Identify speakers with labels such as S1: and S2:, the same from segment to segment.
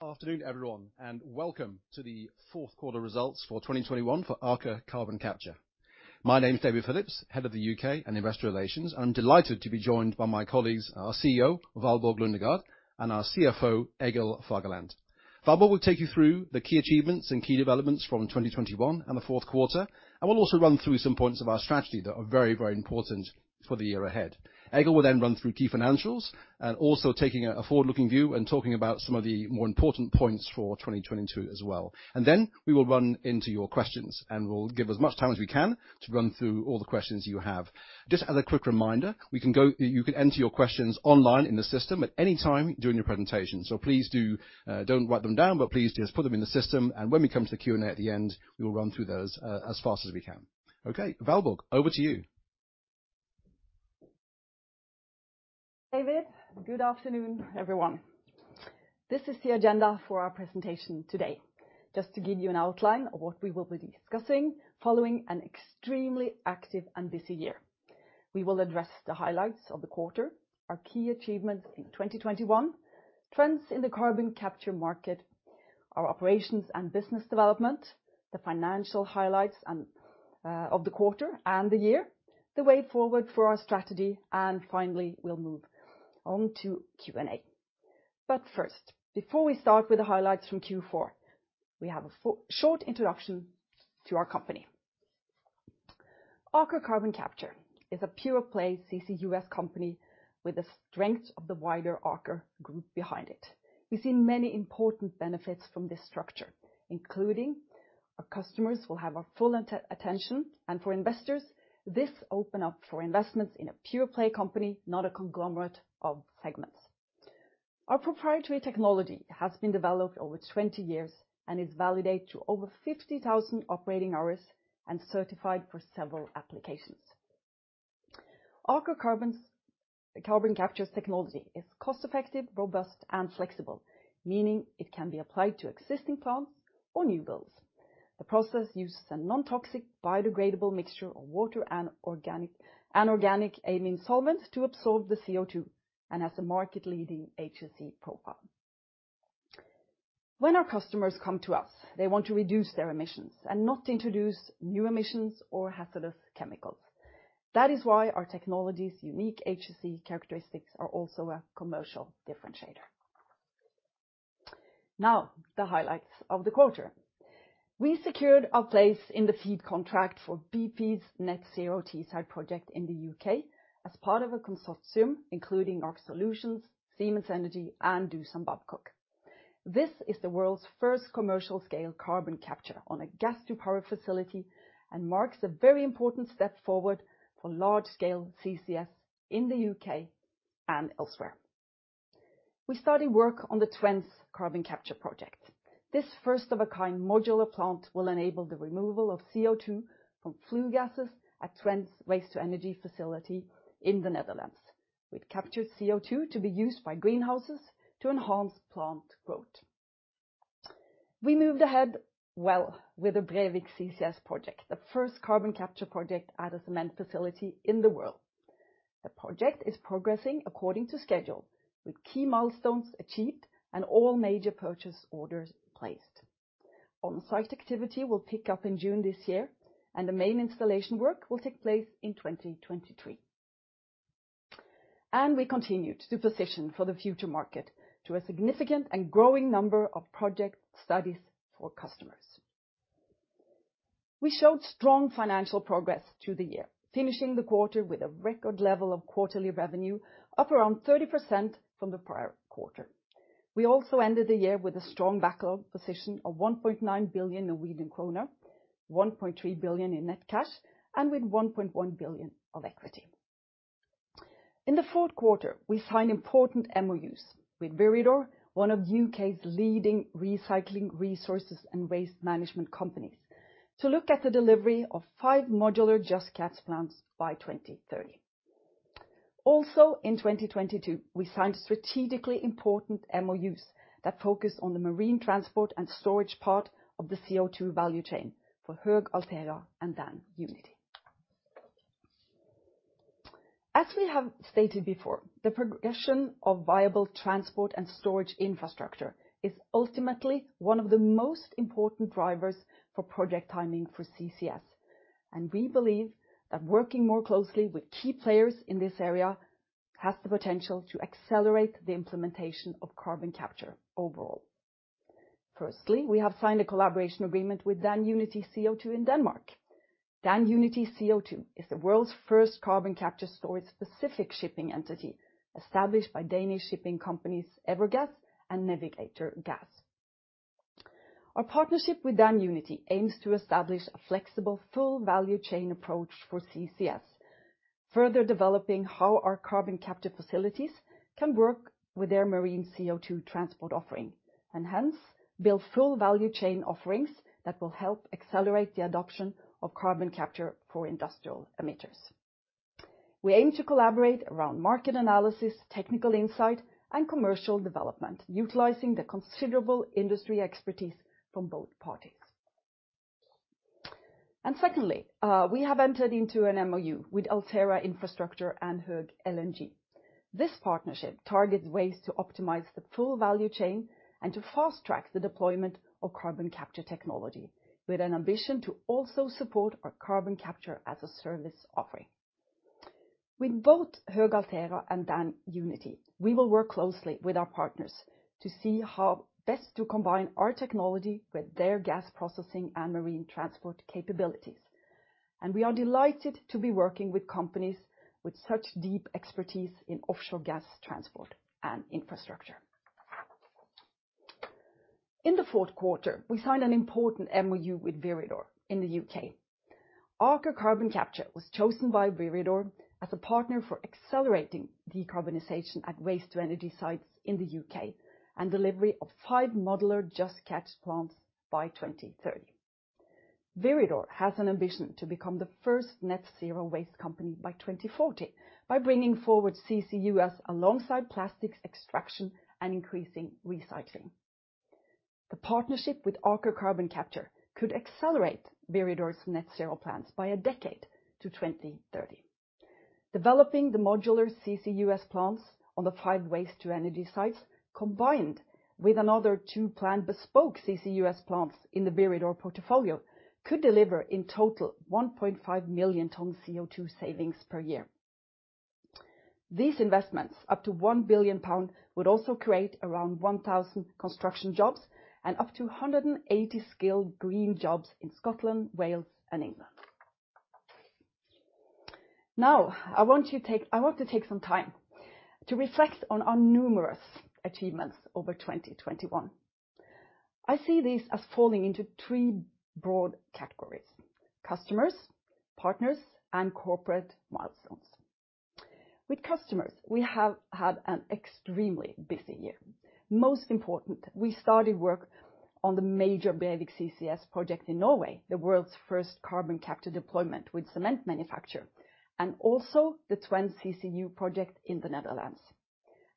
S1: Afternoon, everyone, and welcome to the fourth quarter results for 2021 for Aker Carbon Capture. My name's David Phillips, Head of UK and Investor Relations. I'm delighted to be joined by my colleagues, our CEO, Valborg Lundegaard, and our CFO, Egil Fagerland. Valborg will take you through the key achievements and key developments from 2021 and the fourth quarter, and we'll also run through some points of our strategy that are very, very important for the year ahead. Egil will then run through key financials and also taking a forward-looking view and talking about some of the more important points for 2022 as well. Then we will run into your questions, and we'll give as much time as we can to run through all the questions you have. Just as a quick reminder, you can enter your questions online in the system at any time during the presentation. So please do, don't write them down, but please just put them in the system, and when we come to the Q&A at the end, we will run through those as fast as we can. Okay, Valborg, over to you.
S2: David. Good afternoon, everyone. This is the agenda for our presentation today. Just to give you an outline of what we will be discussing following an extremely active and busy year. We will address the highlights of the quarter, our key achievements in 2021, trends in the carbon capture market, our operations and business development, the financial highlights and of the quarter and the year, the way forward for our strategy, and finally, we'll move on to Q&A. First, before we start with the highlights from Q4, we have a short introduction to our company. Aker Carbon Capture is a pure-play CCUS company with the strength of the wider Aker group behind it. We've seen many important benefits from this structure, including our customers will have our full attention, and for investors, this open up for investments in a pure-play company, not a conglomerate of segments. Our proprietary technology has been developed over 20 years and is validated to over 50,000 operating hours and certified for several applications. Aker Carbon Capture's technology is cost-effective, robust, and flexible, meaning it can be applied to existing plants or new builds. The process uses a non-toxic, biodegradable mixture of water and organic amine solvents to absorb the CO2 and has a market-leading HSE profile. When our customers come to us, they want to reduce their emissions and not introduce new emissions or hazardous chemicals. That is why our technology's unique HSE characteristics are also a commercial differentiator. Now, the highlights of the quarter. We secured our place in the FEED contract for BP's Net Zero Teesside project in the U.K. as part of a consortium including Aker Solutions, Siemens Energy, and Doosan Babcock. This is the world's first commercial-scale carbon capture on a gas-to-power facility and marks a very important step forward for large-scale CCS in the U.K. and elsewhere. We started work on the Twence Carbon Capture project. This first-of-a-kind modular plant will enable the removal of CO2 from flue gases at Twence's waste-to-energy facility in the Netherlands, with captured CO2 to be used by greenhouses to enhance plant growth. We moved ahead well with the Brevik CCS project, the first carbon capture project at a cement facility in the world. The project is progressing according to schedule, with key milestones achieved and all major purchase orders placed. On-site activity will pick up in June this year, and the main installation work will take place in 2023. We continued to position for the future market to a significant and growing number of project studies for customers. We showed strong financial progress through the year, finishing the quarter with a record level of quarterly revenue, up around 30% from the prior quarter. We also ended the year with a strong backlog position of 1.9 billion Norwegian kroner, 1.3 billion NOK in net cash, and with 1.1 billion NOK of equity. In the fourth quarter, we signed important MOUs with Viridor, one of the U.K.'s leading recycling, resource recovery, and waste management companies, to look at the delivery of five modular Just Catch plants by 2030. Also, in 2022, we signed strategically important MOUs that focus on the marine transport and storage part of the CO2 value chain for Höegh Autoliners and Dan-Unity CO2. As we have stated before, the progression of viable transport and storage infrastructure is ultimately one of the most important drivers for project timing for CCS, and we believe that working more closely with key players in this area has the potential to accelerate the implementation of carbon capture overall. First, we have signed a collaboration agreement with Dan-Unity CO2 in Denmark. Dan-Unity CO2 is the world's first carbon capture storage-specific shipping entity established by Danish shipping companies Evergas and Navigator Gas. Our partnership with Dan-Unity aims to establish a flexible, full value chain approach for CCS, further developing how our carbon capture facilities can work with their marine CO2 transport offering, and hence build full value chain offerings that will help accelerate the adoption of carbon capture for industrial emitters. We aim to collaborate around market analysis, technical insight, and commercial development, utilizing the considerable industry expertise from both parties. Secondly, we have entered into an MOU with Altera Infrastructure and Höegh LNG. This partnership targets ways to optimize the full value chain and to fast-track the deployment of carbon capture technology with an ambition to also support our Carbon Capture as a Service offering. With both Höegh and Altera, we will work closely with our partners to see how best to combine our technology with their gas processing and marine transport capabilities, and we are delighted to be working with companies with such deep expertise in offshore gas transport and infrastructure. In the fourth quarter, we signed an important MOU with Viridor in the U.K. Aker Carbon Capture was chosen by Viridor as a partner for accelerating decarbonization at waste-to-energy sites in the U.K., and delivery of 5 modular Just Catch plants by 2030. Viridor has an ambition to become the first net zero waste company by 2040 by bringing forward CCUS alongside plastics extraction and increasing recycling. The partnership with Aker Carbon Capture could accelerate Viridor's net zero plans by a decade to 2030. Developing the modular CCUS plants on the 5 waste-to-energy sites, combined with another 2 planned bespoke CCUS plants in the Viridor portfolio could deliver in total 1.5 million ton CO2 savings per year. These investments, up to 1 billion pound, would also create around 1,000 construction jobs and up to 180 skilled green jobs in Scotland, Wales and England. Now, I want to take some time to reflect on our numerous achievements over 2021. I see these as falling into three broad categories, customers, partners, and corporate milestones. With customers, we have had an extremely busy year. Most important, we started work on the major Brevik CCS project in Norway, the world's first carbon capture deployment with cement manufacture, and also the Twence CCU project in the Netherlands.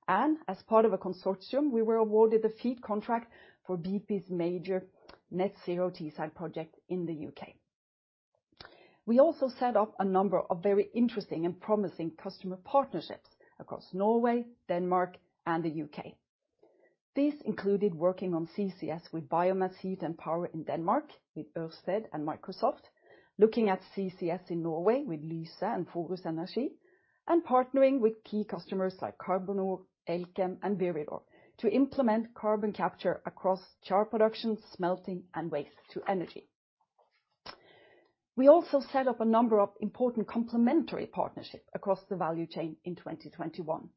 S2: As part of a consortium, we were awarded the FEED contract for BP's major Net Zero Teesside project in the U.K. We also set up a number of very interesting and promising customer partnerships across Norway, Denmark, and the U.K. These included working on CCS with biomass heat and power in Denmark with Ørsted and Microsoft, looking at CCS in Norway with Lyse and Forus Energi, and partnering with key customers like Carbonor, Elkem, and Viridor to implement carbon capture across char production, smelting, and waste-to-energy. We also set up a number of important complementary partnerships across the value chain in 2021.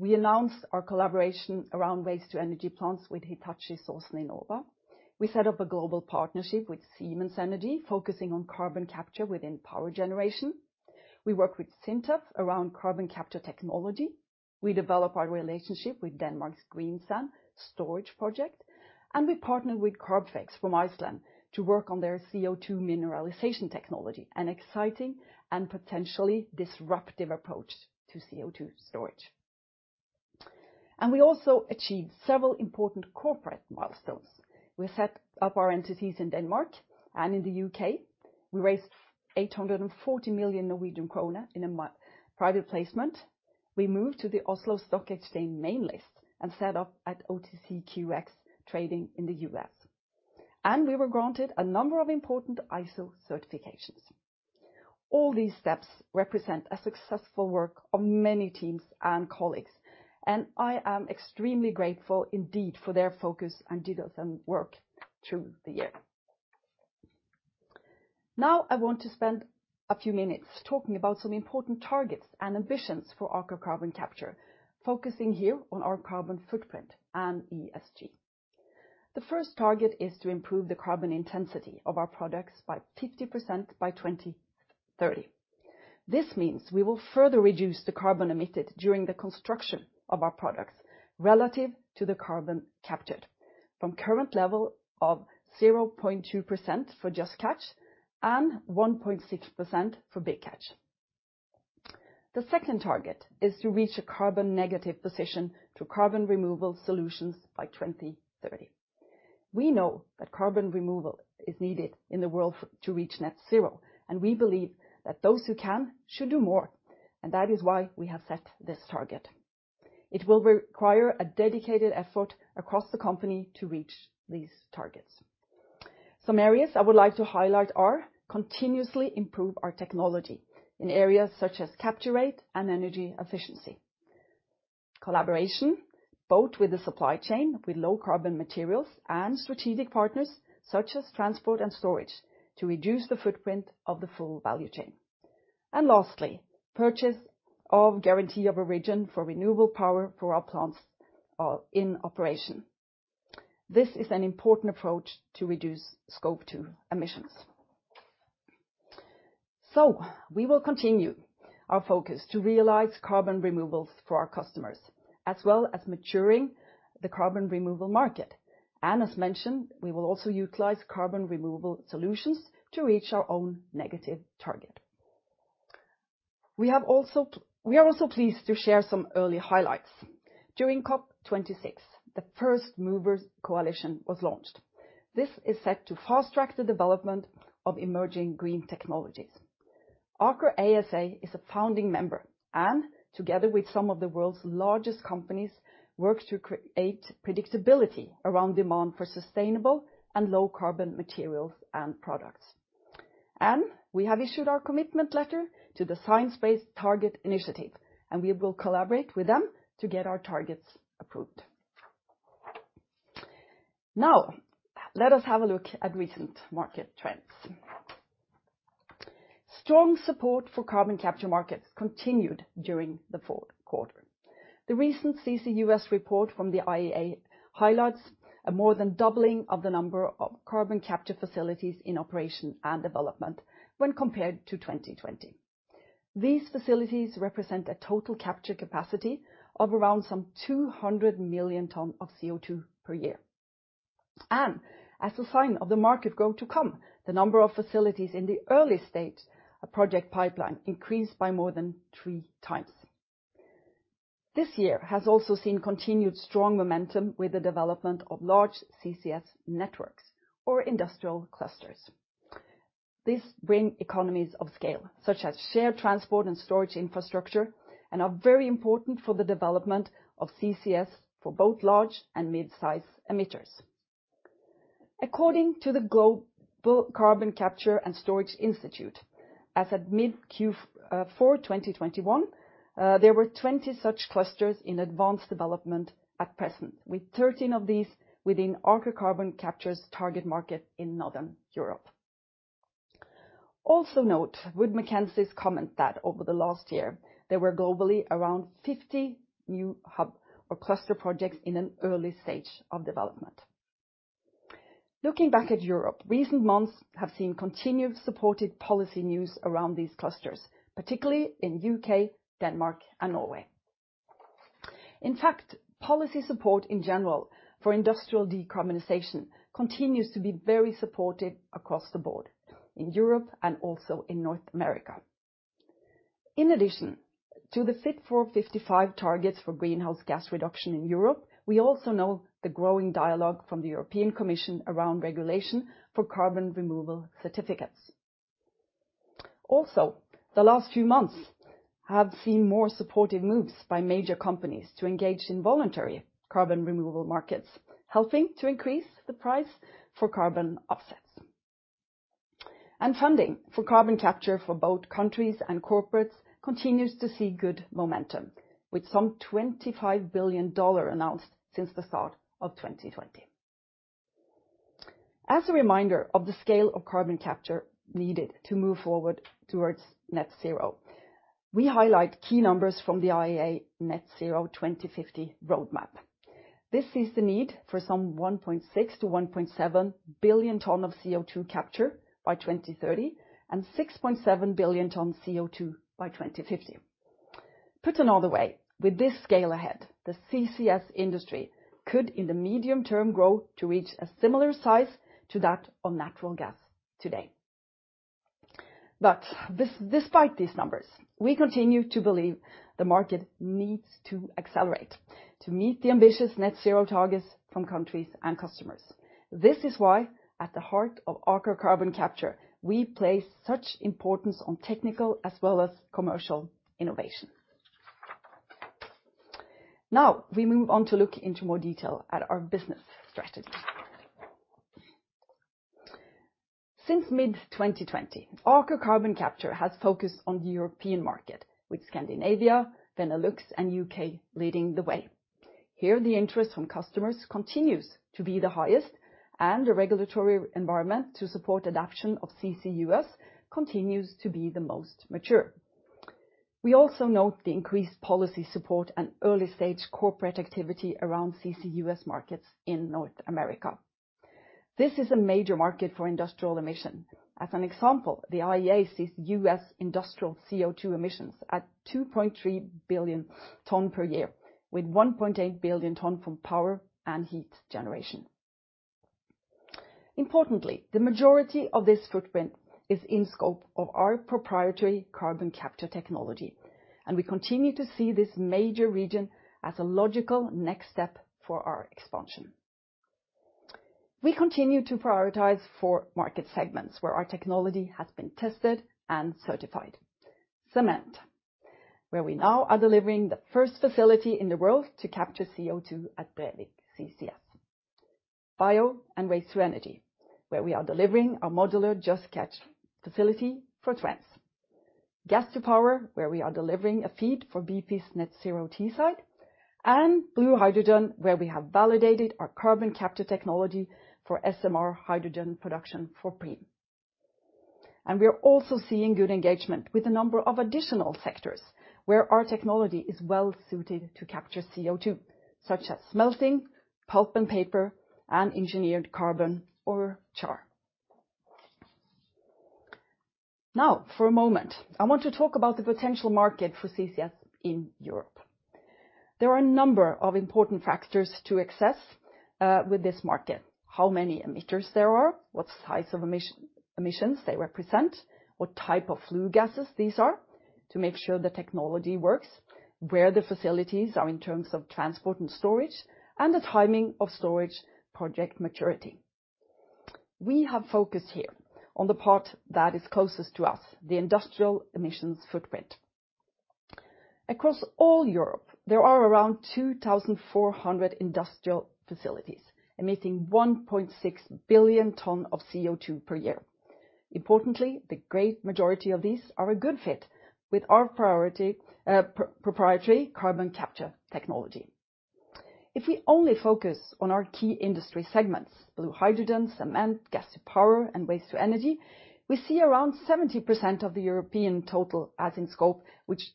S2: We announced our collaboration around waste-to-energy plants with Hitachi Zosen Inova. We set up a global partnership with Siemens Energy, focusing on carbon capture within power generation. We work with SINTEF around carbon capture technology. We develop our relationship with Denmark's Greensand storage project, and we partnered with Carbfix from Iceland to work on their CO2 mineralization technology, an exciting and potentially disruptive approach to CO2 storage. We also achieved several important corporate milestones. We set up our entities in Denmark and in the U.K. We raised 840 million Norwegian krone in a private placement. We moved to the Oslo Stock Exchange main list and set up OTCQX trading in the US, and we were granted a number of important ISO certifications. All these steps represent a successful work of many teams and colleagues, and I am extremely grateful indeed for their focus and dedicated work through the year. Now, I want to spend a few minutes talking about some important targets and ambitions for Aker Carbon Capture, focusing here on our carbon footprint and ESG. The first target is to improve the carbon intensity of our products by 50% by 2030. This means we will further reduce the carbon emitted during the construction of our products relative to the carbon captured, from current level of 0.2% for Just Catch and 1.6% for Big Catch. The second target is to reach a carbon negative position through carbon removal solutions by 2030. We know that carbon removal is needed in the world to reach net zero, and we believe that those who can, should do more, and that is why we have set this target. It will require a dedicated effort across the company to reach these targets. Some areas I would like to highlight are continuously improve our technology in areas such as capture rate and energy efficiency. Collaboration, both with the supply chain with low carbon materials and strategic partners such as transport and storage to reduce the footprint of the full value chain. Lastly, purchase of Guarantee of Origin for renewable power for our plants in operation. This is an important approach to reduce scope two emissions. We will continue our focus to realize carbon removals for our customers, as well as maturing the carbon removal market. As mentioned, we will also utilize carbon removal solutions to reach our own negative target. We are also pleased to share some early highlights. During COP26, the First Movers Coalition was launched. This is set to fast-track the development of emerging green technologies. Aker ASA is a founding member, and together with some of the world's largest companies, works to create predictability around demand for sustainable and low carbon materials and products. We have issued our commitment letter to the Science Based Targets initiative, and we will collaborate with them to get our targets approved. Now, let us have a look at recent market trends. Strong support for carbon capture markets continued during the fourth quarter. The recent CCUS report from the IEA highlights a more than doubling of the number of carbon capture facilities in operation and development when compared to 2020. These facilities represent a total capture capacity of around 200 million tonnes of CO2 per year. As a sign of the market growth to come, the number of facilities in the early stage project pipeline increased by more than three times. This year has also seen continued strong momentum with the development of large CCS networks or industrial clusters. These bring economies of scale, such as shared transport and storage infrastructure, and are very important for the development of CCS for both large and mid-size emitters. According to the Global CCS Institute, as at mid-Q4 2021, there were 20 such clusters in advanced development at present, with 13 of these within Aker Carbon Capture's target market in Northern Europe. Also note Wood Mackenzie's comment that over the last year, there were globally around 50 new hub or cluster projects in an early stage of development. Looking back at Europe, recent months have seen continued supported policy news around these clusters, particularly in the U.K., Denmark, and Norway. In fact, policy support in general for industrial decarbonization continues to be very supportive across the board in Europe and also in North America. In addition to the Fit for 55 targets for greenhouse gas reduction in Europe, we also know the growing dialogue from the European Commission around regulation for carbon removal certificates. Also, the last few months have seen more supportive moves by major companies to engage in voluntary carbon removal markets, helping to increase the price for carbon offsets. Funding for carbon capture for both countries and corporates continues to see good momentum, with some $25 billion announced since the start of 2020. As a reminder of the scale of carbon capture needed to move forward towards net zero, we highlight key numbers from the IEA Net Zero by 2050 roadmap. This sees the need for some 1.6-1.7 billion tonnes of CO2 capture by 2030 and 6.7 billion tonnes CO2 by 2050. Put another way, with this scale ahead, the CCS industry could, in the medium term, grow to reach a similar size to that of natural gas today. This, despite these numbers, we continue to believe the market needs to accelerate to meet the ambitious net zero targets from countries and customers. This is why, at the heart of Aker Carbon Capture, we place such importance on technical as well as commercial innovation. Now we move on to look into more detail at our business strategy. Since mid-2020, Aker Carbon Capture has focused on the European market with Scandinavia, Benelux and U.K. leading the way. Here, the interest from customers continues to be the highest and the regulatory environment to support adoption of CCUS continues to be the most mature. We also note the increased policy support and early-stage corporate activity around CCUS markets in North America. This is a major market for industrial emissions. As an example, the IEA sees U.S. industrial CO2 emissions at 2.3 billion tons per year, with 1.8 billion tons from power and heat generation. Importantly, the majority of this footprint is in scope of our proprietary carbon capture technology, and we continue to see this major region as a logical next step for our expansion. We continue to prioritize 4 market segments where our technology has been tested and certified. Cement, where we now are delivering the first facility in the world to capture CO2 at Brevik CCS. Bio and waste-to-energy, where we are delivering a modular Just Catch facility for Twence. Gas to power, where we are delivering a FEED for BP's Net Zero Teesside, and blue hydrogen, where we have validated our carbon capture technology for SMR hydrogen production for Preem. We are also seeing good engagement with a number of additional sectors where our technology is well suited to capture CO2, such as smelting, pulp and paper, and engineered carbon or char. Now, for a moment, I want to talk about the potential market for CCS in Europe. There are a number of important factors to assess, with this market. How many emitters there are, what size of emission, emissions they represent, what type of flue gases these are to make sure the technology works, where the facilities are in terms of transport and storage, and the timing of storage project maturity. We have focused here on the part that is closest to us, the industrial emissions footprint. Across all Europe, there are around 2,400 industrial facilities emitting 1.6 billion tons of CO2 per year. Importantly, the great majority of these are a good fit with our priority, proprietary carbon capture technology. If we only focus on our key industry segments, blue hydrogen, cement, gas power and waste to energy, we see around 70% of the European total as in scope, which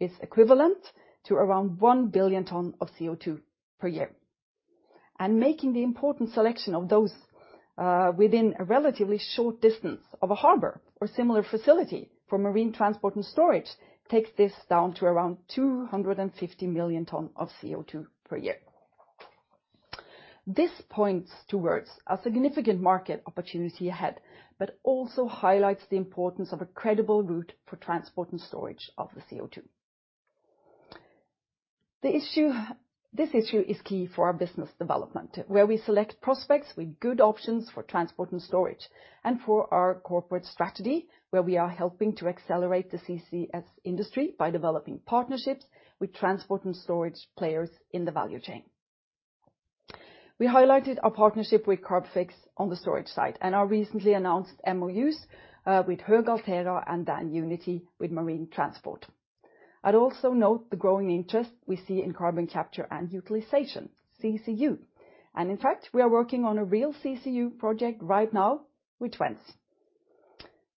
S2: is equivalent to around 1 billion tons of CO2 per year. Making the important selection of those, within a relatively short distance of a harbor or similar facility for marine transport and storage, takes this down to around 250 million tons of CO2 per year. This points towards a significant market opportunity ahead, but also highlights the importance of a credible route for transport and storage of the CO2. This issue is key for our business development, where we select prospects with good options for transport and storage, and for our corporate strategy, where we are helping to accelerate the CCS industry by developing partnerships with transport and storage players in the value chain. We highlighted our partnership with Carbfix on the storage side and our recently announced MOUs with Höegh Altera and then Dan-Unity with marine transport. I'd also note the growing interest we see in carbon capture and utilization, CCU, and in fact, we are working on a real CCU project right now with Twence.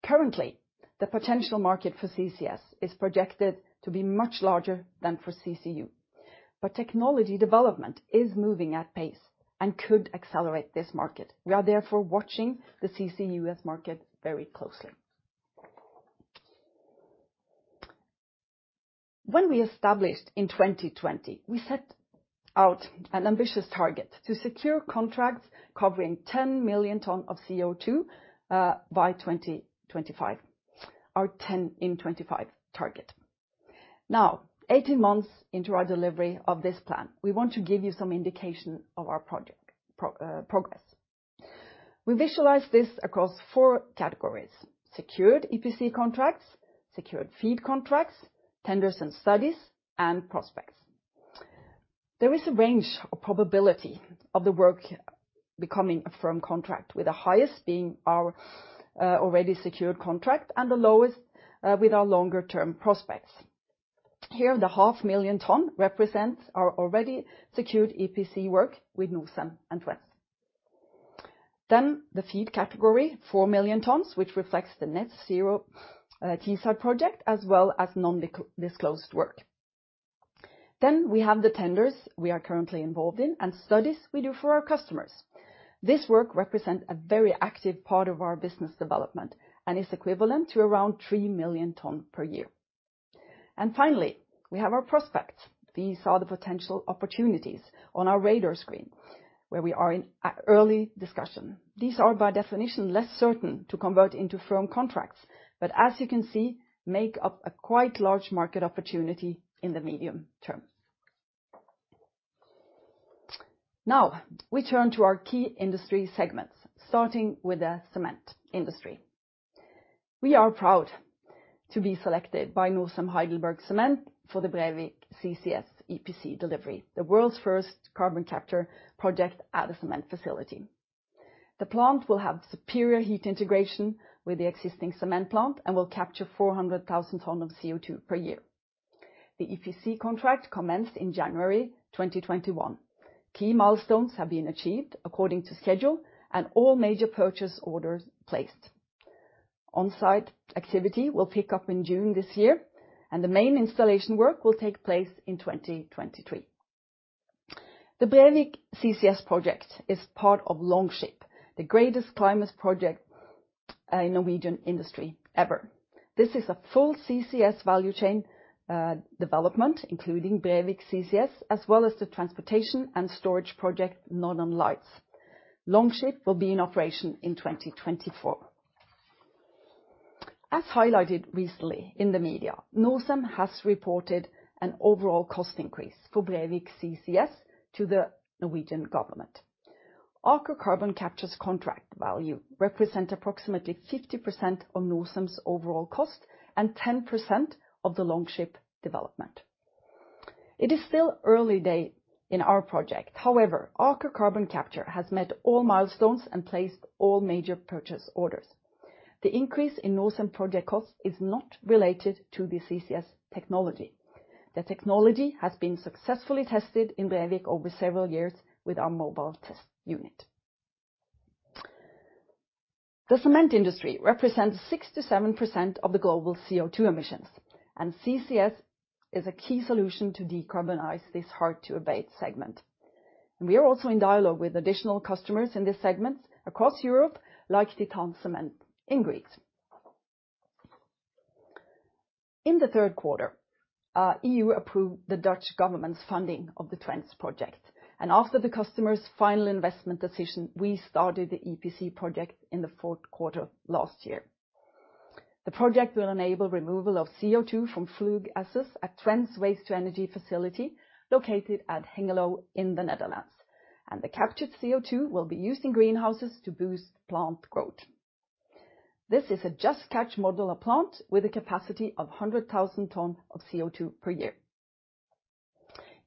S2: Currently, the potential market for CCS is projected to be much larger than for CCU, but technology development is moving at pace and could accelerate this market. We are therefore watching the CCUS market very closely. When we established in 2020, we set out an ambitious target to secure contracts covering 10 million tonnes of CO2 by 2025, our 10 in 25 target. Now, 18 months into our delivery of this plan, we want to give you some indication of our progress. We visualize this across 4 categories, secured EPC contracts, secured FEED contracts, tenders and studies, and prospects. There is a range of probability of the work becoming a firm contract, with the highest being our already secured contract and the lowest with our longer-term prospects. Here, the 0.5 million tonnes represents our already secured EPC work with Northern and Twence. Then the FEED category, 4 million tonnes, which reflects the Net Zero Teesside project, as well as non-disclosed work. We have the tenders we are currently involved in and studies we do for our customers. This work represents a very active part of our business development and is equivalent to around 3 million tons per year. Finally, we have our prospects. These are the potential opportunities on our radar screen where we are in early discussion. These are by definition less certain to convert into firm contracts, but as you can see, make up a quite large market opportunity in the medium term. Now we turn to our key industry segments, starting with the cement industry. We are proud to be selected by Norcem HeidelbergCement for the Brevik CCS EPC delivery, the world's first carbon capture project at a cement facility. The plant will have superior heat integration with the existing cement plant and will capture 400,000 tons of CO2 per year. The EPC contract commenced in January 2021. Key milestones have been achieved according to schedule and all major purchase orders placed. On-site activity will pick up in June this year and the main installation work will take place in 2023. The Brevik CCS project is part of Longship, the greatest climate project in Norwegian industry ever. This is a full CCS value chain development, including Brevik CCS, as well as the transportation and storage project Northern Lights. Longship will be in operation in 2024. As highlighted recently in the media, Norcem has reported an overall cost increase for Brevik CCS to the Norwegian government. Aker Carbon Capture's contract value represents approximately 50% of Norcem's overall cost and 10% of the Longship development. It is still early days in our project. However, Aker Carbon Capture has met all milestones and placed all major purchase orders. The increase in Northern project costs is not related to the CCS technology. The technology has been successfully tested in Brevik over several years with our mobile test unit. The cement industry represents 67% of the global CO2 emissions, and CCS is a key solution to decarbonize this hard-to-abate segment. We are also in dialogue with additional customers in this segment across Europe, like Titan Cement in Greece. In the third quarter, EU approved the Dutch government's funding of the Twence project, and after the customer's final investment decision, we started the EPC project in the fourth quarter last year. The project will enable removal of CO2 from flue gases at Twence waste to energy facility located at Hengelo in the Netherlands. The captured CO2 will be used in greenhouses to boost plant growth. This is a Just Catch modular plant with a capacity of 100,000 tonnes of CO₂ per year.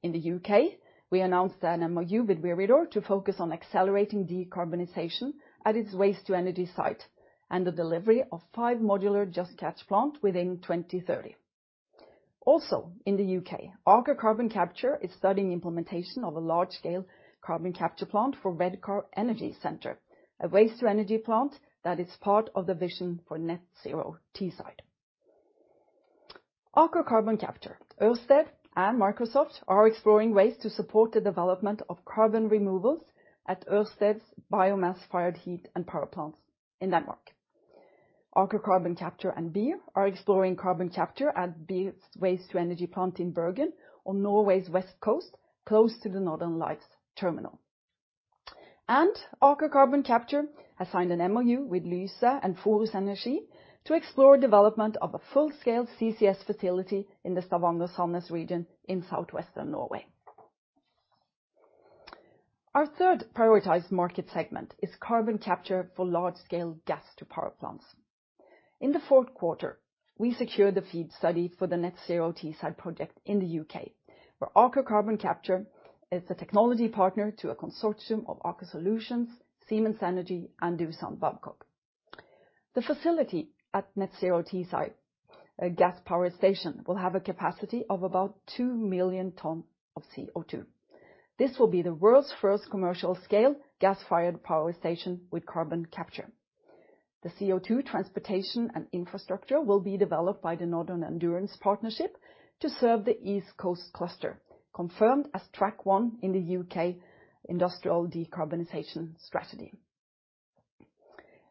S2: In the U.K., we announced an MOU with Viridor to focus on accelerating decarbonization at its waste-to-energy site and the delivery of 5 modular Just Catch plant within 2030. Also in the U.K., Aker Carbon Capture is studying implementation of a large-scale carbon capture plant for Redcar Energy Centre, a waste-to-energy plant that is part of the vision for Net Zero Teesside. Aker Carbon Capture, Ørsted and Microsoft are exploring ways to support the development of carbon removals at Ørsted's biomass-fired heat and power plants in Denmark. Aker Carbon Capture and BIR are exploring carbon capture at BIR's waste-to-energy plant in Bergen on Norway's west coast, close to the Northern Lights terminal. Aker Carbon Capture has signed an MOU with Lyse and Forus Energi to explore development of a full-scale CCS facility in the Stavanger Sandnes region in southwestern Norway. Our third prioritized market segment is carbon capture for large-scale gas to power plants. In the fourth quarter, we secured the FEED study for the Net Zero Teesside project in the U.K., where Aker Carbon Capture is a technology partner to a consortium of Aker Solutions, Siemens Energy and Doosan Babcock. The facility at Net Zero Teesside, a gas-powered station, will have a capacity of about 2 million tons of CO2. This will be the world's first commercial-scale gas-fired power station with carbon capture. The CO2 transportation and infrastructure will be developed by the Northern Endurance Partnership to serve the East Coast Cluster, confirmed as Track-1 in the U.K. Industrial Decarbonization Strategy.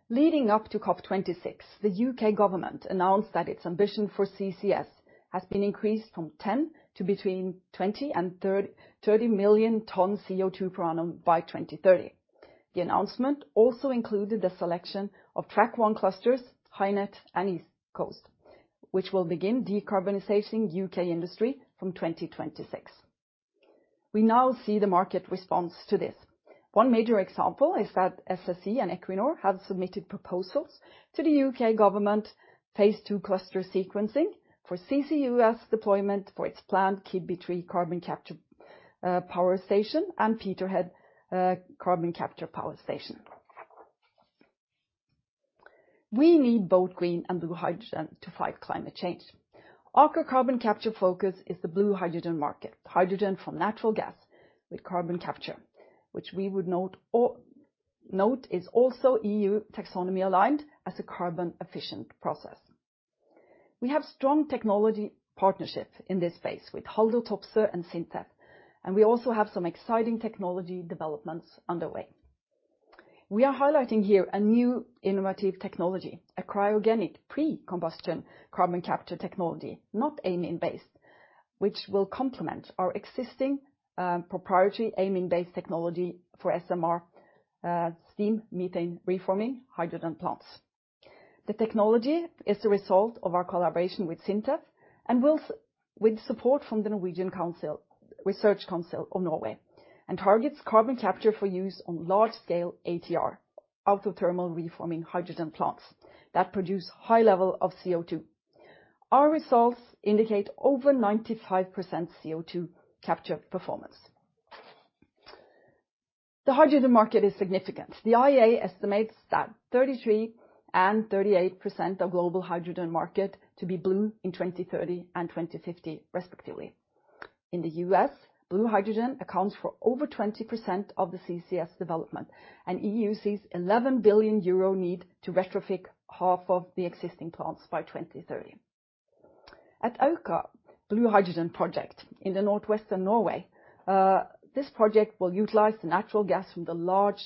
S2: Leading up to COP26, the U.K. government announced that its ambition for CCS has been increased from 10 to between 20 and 30 million tonnes CO2 per annum by 2030. The announcement also included the selection of Track 1 clusters, HyNet and East Coast Cluster, which will begin decarbonization of U.K. industry from 2026. We now see the market response to this. One major example is that SSE and Equinor have submitted proposals to the U.K. government Phase 2 cluster sequencing for CCUS deployment for its planned Keadby 3 carbon capture power station and Peterhead carbon capture power station. We need both green and blue hydrogen to fight climate change. Aker Carbon Capture's focus is the blue hydrogen market, hydrogen from natural gas with carbon capture, which we would note is also EU Taxonomy-aligned as a carbon-efficient process. We have strong technology partnership in this space with Haldor Topsoe and SINTEF, and we also have some exciting technology developments underway. We are highlighting here a new innovative technology, a cryogenic pre-combustion carbon capture technology, not amine-based, which will complement our existing proprietary amine-based technology for SMR, steam methane reforming hydrogen plants. The technology is the result of our collaboration with SINTEF and with support from the Research Council of Norway, and targets carbon capture for use on large scale ATR, autothermal reforming hydrogen plants that produce high level of CO2. Our results indicate over 95% CO2 capture performance. The hydrogen market is significant. The IEA estimates that 33% and 38% of global hydrogen market to be blue in 2030 and 2050 respectively. In the U.S., blue hydrogen accounts for over 20% of the CCS development, and EU sees 11 billion euro need to retrofit half of the existing plants by 2030. At Aker Blue Hydrogen project in the Northwestern Norway, this project will utilize the natural gas from the large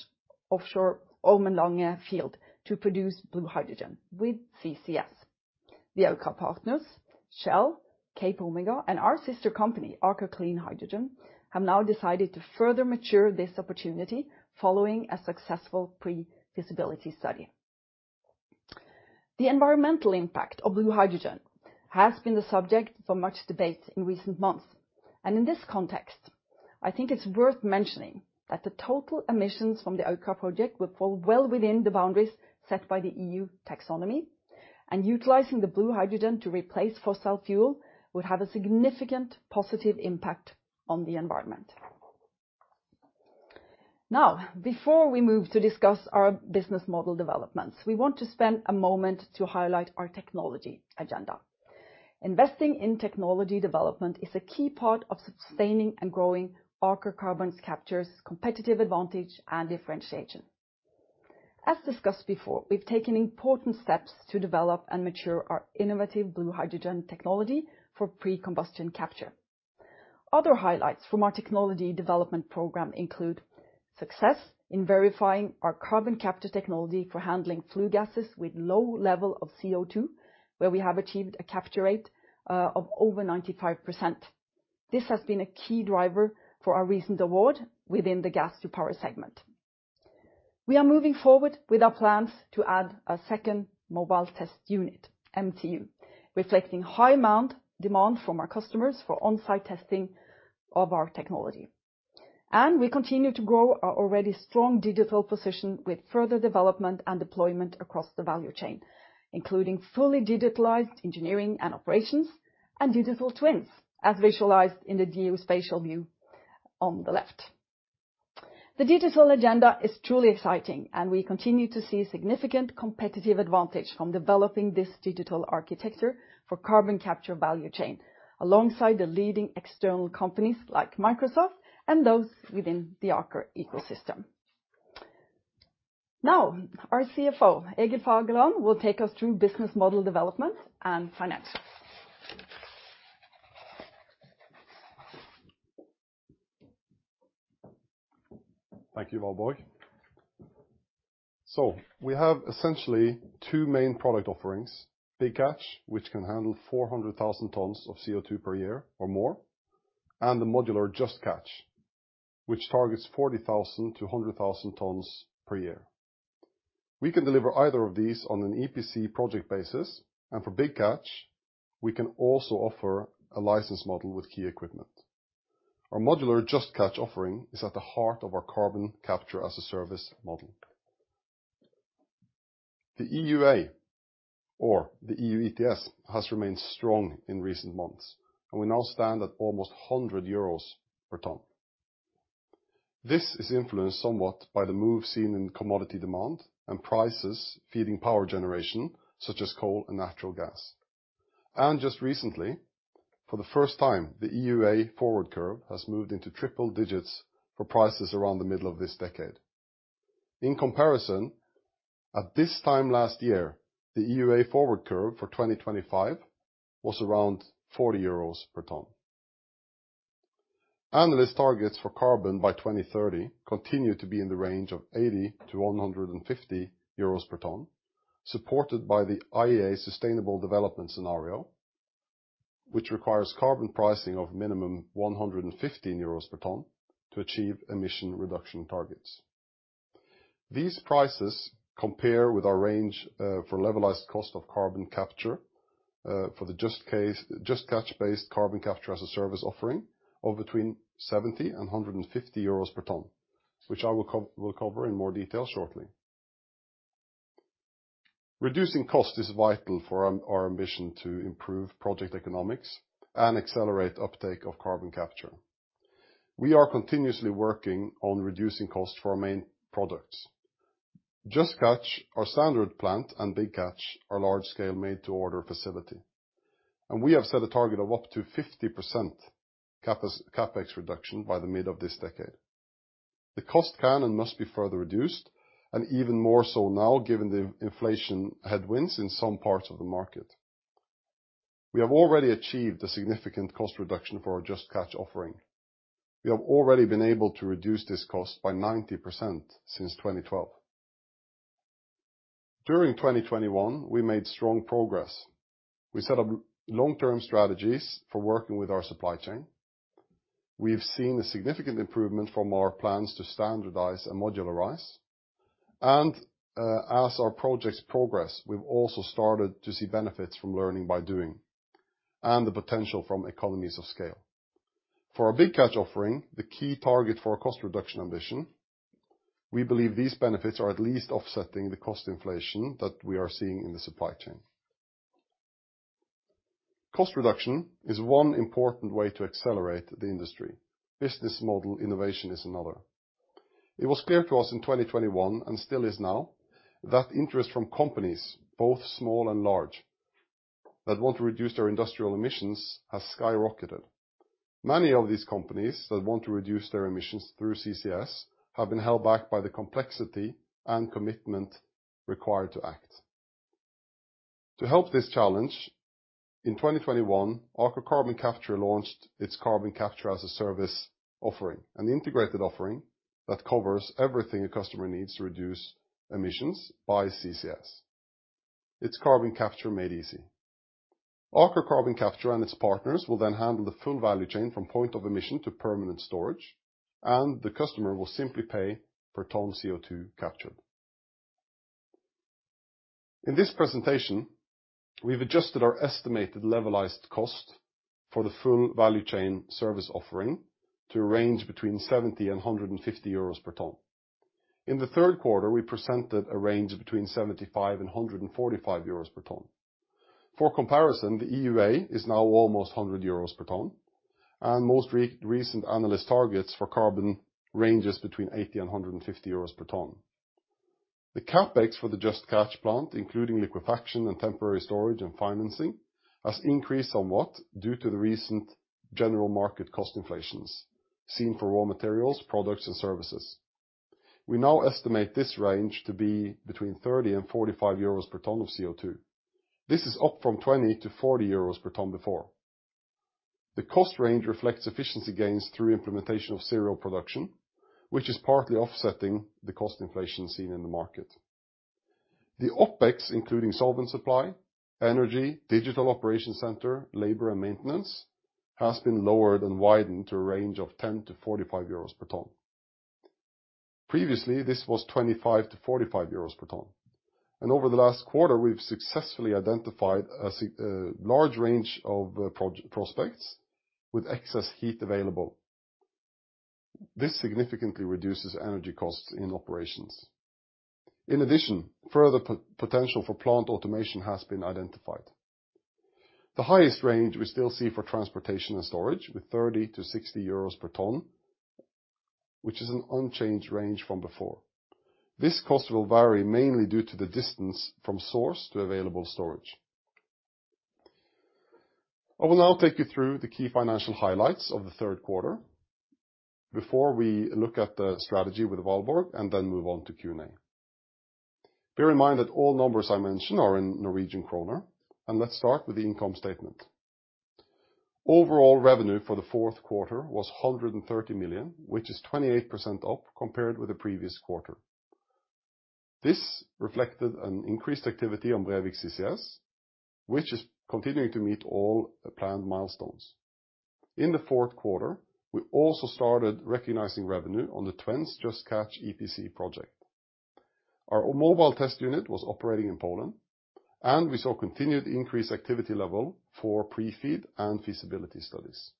S2: offshore Ormen Lange field to produce blue hydrogen with CCS. The Aker partners, Shell, CapeOmega, and our sister company, Aker Clean Hydrogen, have now decided to further mature this opportunity following a successful pre-feasibility study. The environmental impact of blue hydrogen has been the subject for much debate in recent months, and in this context, I think it's worth mentioning that the total emissions from the Aker project will fall well within the boundaries set by the EU Taxonomy, and utilizing the blue hydrogen to replace fossil fuel would have a significant positive impact on the environment. Now, before we move to discuss our business model developments, we want to spend a moment to highlight our technology agenda. Investing in technology development is a key part of sustaining and growing Aker Carbon Capture's competitive advantage and differentiation. As discussed before, we've taken important steps to develop and mature our innovative blue hydrogen technology for pre-combustion capture. Other highlights from our technology development program include success in verifying our carbon capture technology for handling flue gases with low level of CO₂, where we have achieved a capture rate of over 95%. This has been a key driver for our recent award within the gas to power segment. We are moving forward with our plans to add a second mobile test unit, MTU, reflecting high demand from our customers for on-site testing of our technology. We continue to grow our already strong digital position with further development and deployment across the value chain, including fully digitalized engineering and operations and digital twins, as visualized in the geospatial view on the left. The digital agenda is truly exciting, and we continue to see significant competitive advantage from developing this digital architecture for carbon capture value chain, alongside the leading external companies like Microsoft and those within the Aker ecosystem. Now, our CFO, Egil Fagerland, will take us through business model development and financials.
S3: Thank you, Valborg. We have essentially two main product offerings, Big Catch, which can handle 400,000 tons of CO₂ per year or more, and the modular Just Catch, which targets 40,000-100,000 tons per year. We can deliver either of these on an EPC project basis, and for Big Catch, we can also offer a license model with key equipment. Our modular Just Catch offering is at the heart of our Carbon Capture as a Service model. The EUA, or the EU ETS, has remained strong in recent months, and we now stand at almost 100 euros per ton. This is influenced somewhat by the move seen in commodity demand and prices feeding power generation, such as coal and natural gas. Just recently, for the first time, the EUA forward curve has moved into triple digits for prices around the middle of this decade. In comparison, at this time last year, the EUA forward curve for 2025 was around 40 euros per ton. Analyst targets for carbon by 2030 continue to be in the range of 80-150 euros per ton, supported by the IEA Sustainable Development Scenario, which requires carbon pricing of minimum 115 euros per ton to achieve emission reduction targets. These prices compare with our range for levelized cost of carbon capture for the Just Catch-based Carbon Capture as a Service offering of between 70-150 euros per ton, which I will cover, we'll cover in more detail shortly. Reducing cost is vital for our ambition to improve project economics and accelerate uptake of carbon capture. We are continuously working on reducing costs for our main products. Just Catch, our standard plant, and Big Catch are large-scale made-to-order facility, and we have set a target of up to 50% CapEx reduction by the mid of this decade. The cost can and must be further reduced, and even more so now, given the inflation headwinds in some parts of the market. We have already achieved a significant cost reduction for our Just Catch offering. We have already been able to reduce this cost by 90% since 2012. During 2021, we made strong progress. We set up long-term strategies for working with our supply chain. We've seen a significant improvement from our plans to standardize and modularize. As our projects progress, we've also started to see benefits from learning by doing and the potential from economies of scale. For our Big Catch offering, the key target for our cost reduction ambition, we believe these benefits are at least offsetting the cost inflation that we are seeing in the supply chain. Cost reduction is one important way to accelerate the industry. Business model innovation is another. It was clear to us in 2021, and still is now, that interest from companies, both small and large, that want to reduce their industrial emissions has skyrocketed. Many of these companies that want to reduce their emissions through CCS have been held back by the complexity and commitment required to act. To help this challenge, in 2021, Aker Carbon Capture launched its Carbon Capture as a Service offering, an integrated offering that covers everything a customer needs to reduce emissions by CCS. It's carbon capture made easy. Aker Carbon Capture and its partners will then handle the full value chain from point of emission to permanent storage, and the customer will simply pay per ton CO₂ captured. In this presentation, we've adjusted our estimated levelized cost for the full value chain service offering to range between 70 and 150 euros per ton. In the third quarter, we presented a range between 75 and 145 euros per ton. For comparison, the EUA is now almost 100 euros per ton, and most recent analyst targets for carbon ranges between 80 and 150 euros per ton. The CapEx for the Just Catch plant, including liquefaction and temporary storage and financing, has increased somewhat due to the recent general market cost inflations seen for raw materials, products and services. We now estimate this range to be between 30-45 euros per ton of CO2. This is up from 20-40 euros per ton before. The cost range reflects efficiency gains through implementation of serial production, which is partly offsetting the cost inflation seen in the market. The OpEx, including solvent supply, energy, digital operation center, labor and maintenance, has been lowered and widened to a range of 10-45 euros per ton. Previously, this was 25-45 euros per ton. Over the last quarter, we've successfully identified a large range of prospects with excess heat available. This significantly reduces energy costs in operations. In addition, further potential for plant automation has been identified. The highest range we still see for transportation and storage with 30-60 euros per ton, which is an unchanged range from before. This cost will vary mainly due to the distance from source to available storage. I will now take you through the key financial highlights of the third quarter before we look at the strategy with Valborg and then move on to Q&A. Bear in mind that all numbers I mention are in Norwegian kroner, and let's start with the income statement. Overall revenue for the fourth quarter was 130 million, which is 28% up compared with the previous quarter. This reflected an increased activity on Brevik CCS, which is continuing to meet all planned milestones. In the fourth quarter, we also started recognizing revenue on the Twence's Just Catch EPC project. Our mobile test unit was operating in Poland, and we saw continued increased activity level for pre-FEED and feasibility studies.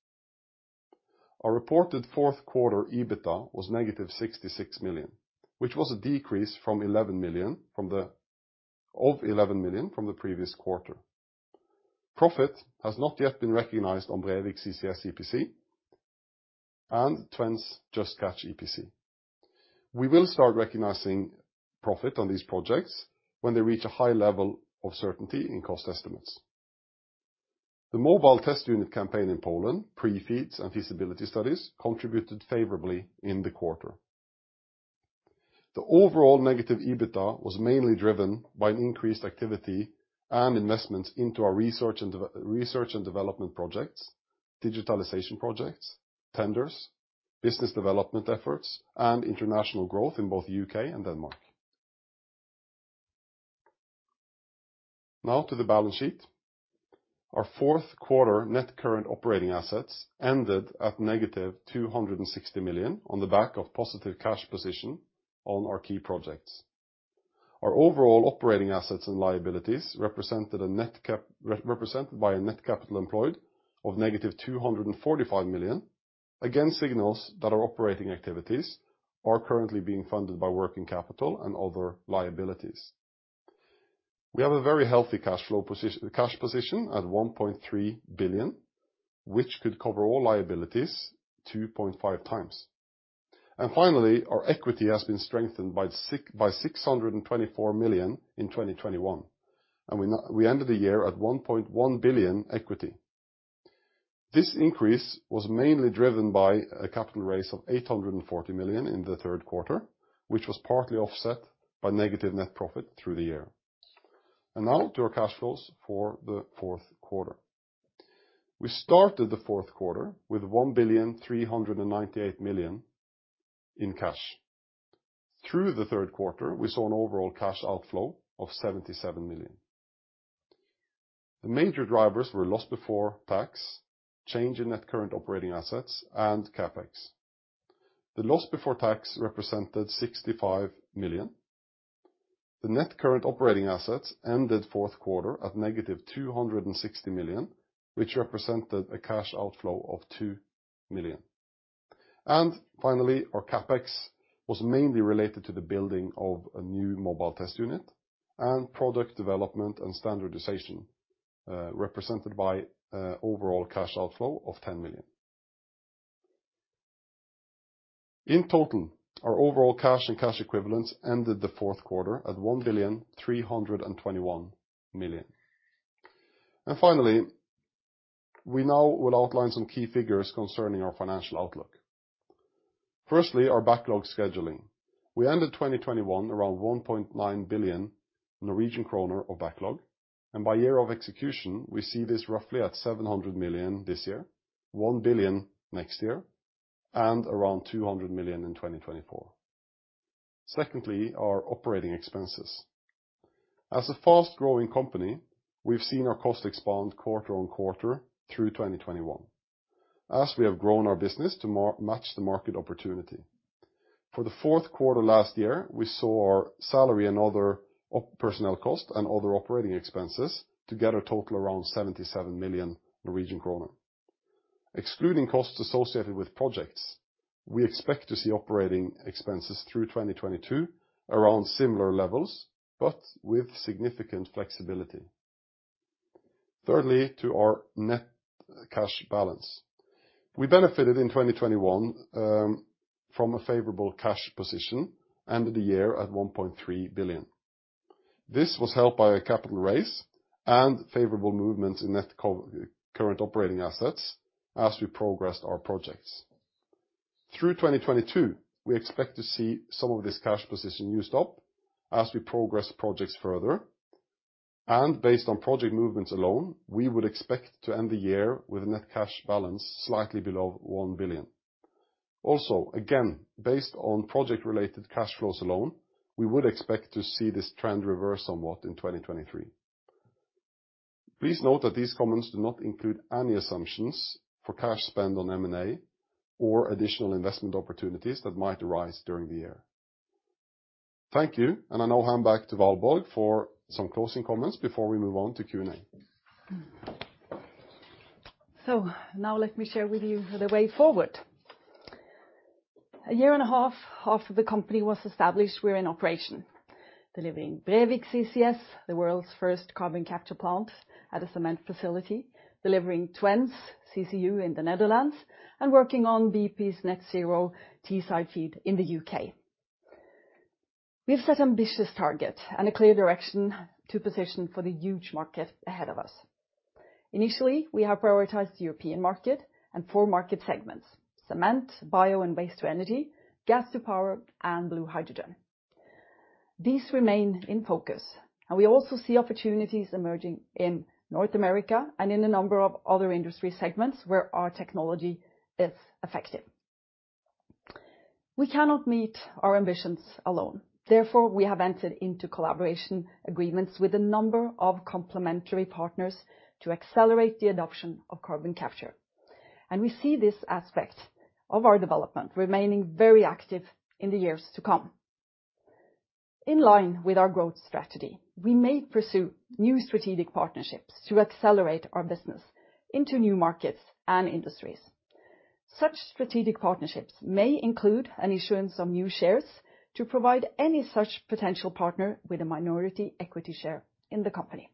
S3: Our reported fourth quarter EBITDA was negative 66 million, which was a decrease from 11 million from the previous quarter. Profit has not yet been recognized on Brevik CCS EPC and Twence's Just Catch EPC. We will start recognizing profit on these projects when they reach a high level of certainty in cost estimates. The mobile test unit campaign in Poland, pre-FEEDs and feasibility studies contributed favorably in the quarter. The overall negative EBITDA was mainly driven by an increased activity and investment into our research and development projects, digitalization projects, tenders, business development efforts, and international growth in both U.K. and Denmark. Now to the balance sheet. Our fourth quarter net current operating assets ended at -260 million on the back of positive cash position on our key projects. Our overall operating assets and liabilities represented by a net capital employed of -245 million again signals that our operating activities are currently being funded by working capital and other liabilities. We have a very healthy cash position at 1.3 billion, which could cover all liabilities 2.5 times. Finally, our equity has been strengthened by 624 million in 2021, and we ended the year at 1.1 billion equity. This increase was mainly driven by a capital raise of 840 million in the third quarter, which was partly offset by negative net profit through the year. Now to our cash flows for the fourth quarter. We started the fourth quarter with 1,398 million in cash. Through the third quarter, we saw an overall cash outflow of 77 million. The major drivers were loss before tax, change in net current operating assets, and CapEx. The loss before tax represented 65 million. The net current operating assets ended fourth quarter at negative 260 million, which represented a cash outflow of 2 million. Finally, our CapEx was mainly related to the building of a new mobile test unit and product development and standardization, represented by overall cash outflow of 10 million. In total, our overall cash and cash equivalents ended the fourth quarter at 1,321 million. Finally, we now will outline some key figures concerning our financial outlook. Firstly, our backlog scheduling. We ended 2021 around 1.9 billion Norwegian kroner of backlog, and by year of execution, we see this roughly at 700 million this year, 1 billion next year, and around 200 million in 2024. Secondly, our operating expenses. As a fast-growing company, we've seen our cost expand quarter-on-quarter through 2021 as we have grown our business to match the market opportunity. For the fourth quarter last year, we saw our salary and other personnel cost and other operating expenses together total around 77 million Norwegian kroner. Excluding costs associated with projects, we expect to see operating expenses through 2022 around similar levels, but with significant flexibility. Thirdly, to our net cash balance. We benefited in 2021 from a favorable cash position, ended the year at 1.3 billion. This was helped by a capital raise and favorable movements in net current operating assets as we progressed our projects. Through 2022, we expect to see some of this cash position used up as we progress projects further, and based on project movements alone, we would expect to end the year with a net cash balance slightly below 1 billion. Also, again, based on project-related cash flows alone, we would expect to see this trend reverse somewhat in 2023. Please note that these comments do not include any assumptions for cash spend on M&A or additional investment opportunities that might arise during the year. Thank you, and I now hand back to Valborg for some closing comments before we move on to Q&A.
S2: Now let me share with you the way forward. A year and a half after the company was established, we're in operation, delivering Brevik CCS, the world's first carbon capture plant at a cement facility, delivering Twence CCU in the Netherlands, and working on BP's Net Zero Teesside project in the UK. We've set ambitious targets and a clear direction to position for the huge market ahead of us. Initially, we have prioritized the European market and four market segments, cement, bio and waste to energy, gas to power, and blue hydrogen. These remain in focus, and we also see opportunities emerging in North America and in a number of other industry segments where our technology is effective. We cannot meet our ambitions alone. Therefore, we have entered into collaboration agreements with a number of complementary partners to accelerate the adoption of carbon capture. We see this aspect of our development remaining very active in the years to come. In line with our growth strategy, we may pursue new strategic partnerships to accelerate our business into new markets and industries. Such strategic partnerships may include an issuance of new shares to provide any such potential partner with a minority equity share in the company.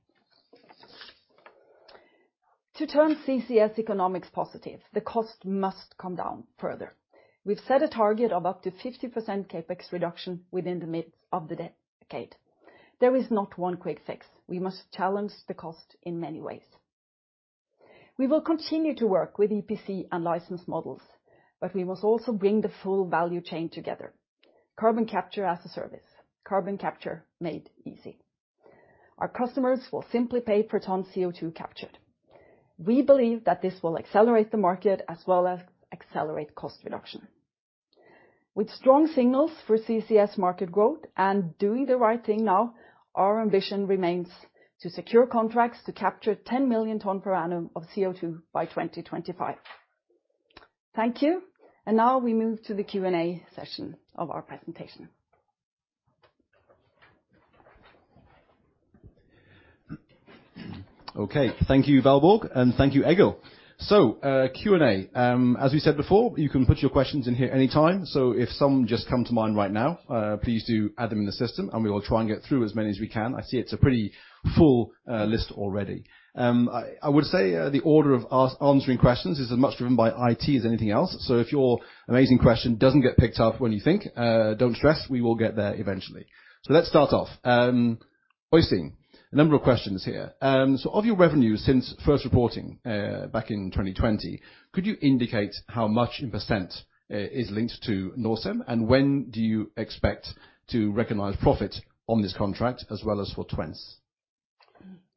S2: To turn CCS economics positive, the cost must come down further. We've set a target of up to 50% CapEx reduction within the mid of the decade. There is not one quick fix. We must challenge the cost in many ways. We will continue to work with EPC and license models, but we must also bring the full value chain together. Carbon Capture as a Service, carbon capture made easy. Our customers will simply pay per ton CO2 captured. We believe that this will accelerate the market as well as accelerate cost reduction. With strong signals for CCS market growth and doing the right thing now, our ambition remains to secure contracts to capture 10 million tonnes per annum of CO2 by 2025. Thank you. Now we move to the Q&A session of our presentation.
S1: Okay. Thank you, Valborg, and thank you, Egil. Q&A. As we said before, you can put your questions in here anytime, so if some just come to mind right now, please do add them in the system, and we will try and get through as many as we can. I see it's a pretty full list already. I would say the order of answering questions is as much driven by IT as anything else, so if your amazing question doesn't get picked up when you think, don't stress, we will get there eventually. Let's start off. Oystein, a number of questions here. Of your revenue since first reporting, back in 2020, could you indicate how much in % is linked to Norcem, and when do you expect to recognize profit on this contract as well as for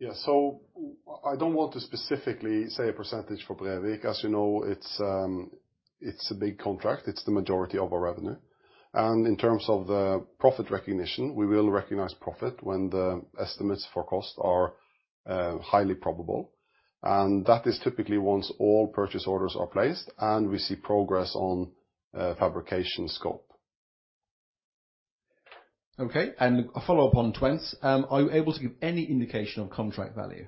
S1: Twence?
S3: I don't want to specifically say a percentage for Brevik. As you know, it's a big contract, it's the majority of our revenue. In terms of the profit recognition, we will recognize profit when the estimates for cost are highly probable, and that is typically once all purchase orders are placed and we see progress on fabrication scope.
S1: Okay. A follow-up on Twence. Are you able to give any indication of contract value?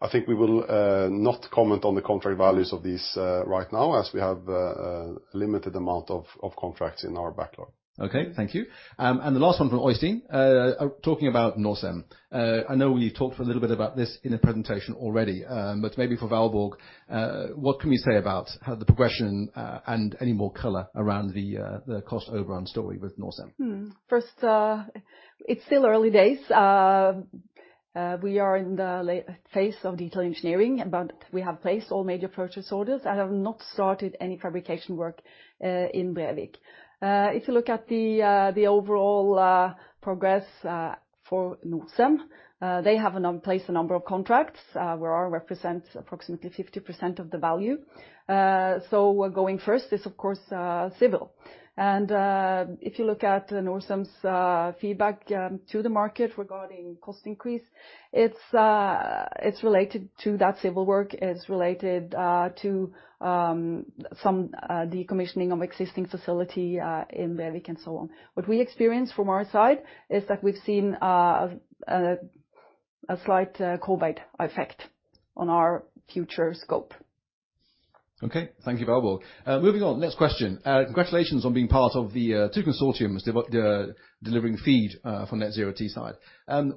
S3: I think we will not comment on the contract values of these right now as we have a limited amount of contracts in our backlog.
S1: Okay, thank you. The last one from Oystein. Talking about Norcem, I know you've talked a little bit about this in the presentation already, but maybe for Valborg, what can we say about the progression and any more color around the cost overrun story with Norcem?
S2: First, it's still early days. We are in the late phase of detailed engineering, but we have placed all major purchase orders and have not started any fabrication work in Brevik. If you look at the overall progress for Norcem, they have placed a number of contracts where ours represents approximately 50% of the value. So going first is, of course, civil. If you look at Norcem's feedback to the market regarding cost increase, it's related to that civil work. It's related to some decommissioning of existing facility in Brevik and so on. What we experience from our side is that we've seen a slight COVID effect on our future scope.
S1: Okay. Thank you, Valborg. Moving on. Next question. Congratulations on being part of the two consortiums delivering FEED for Net Zero Teesside.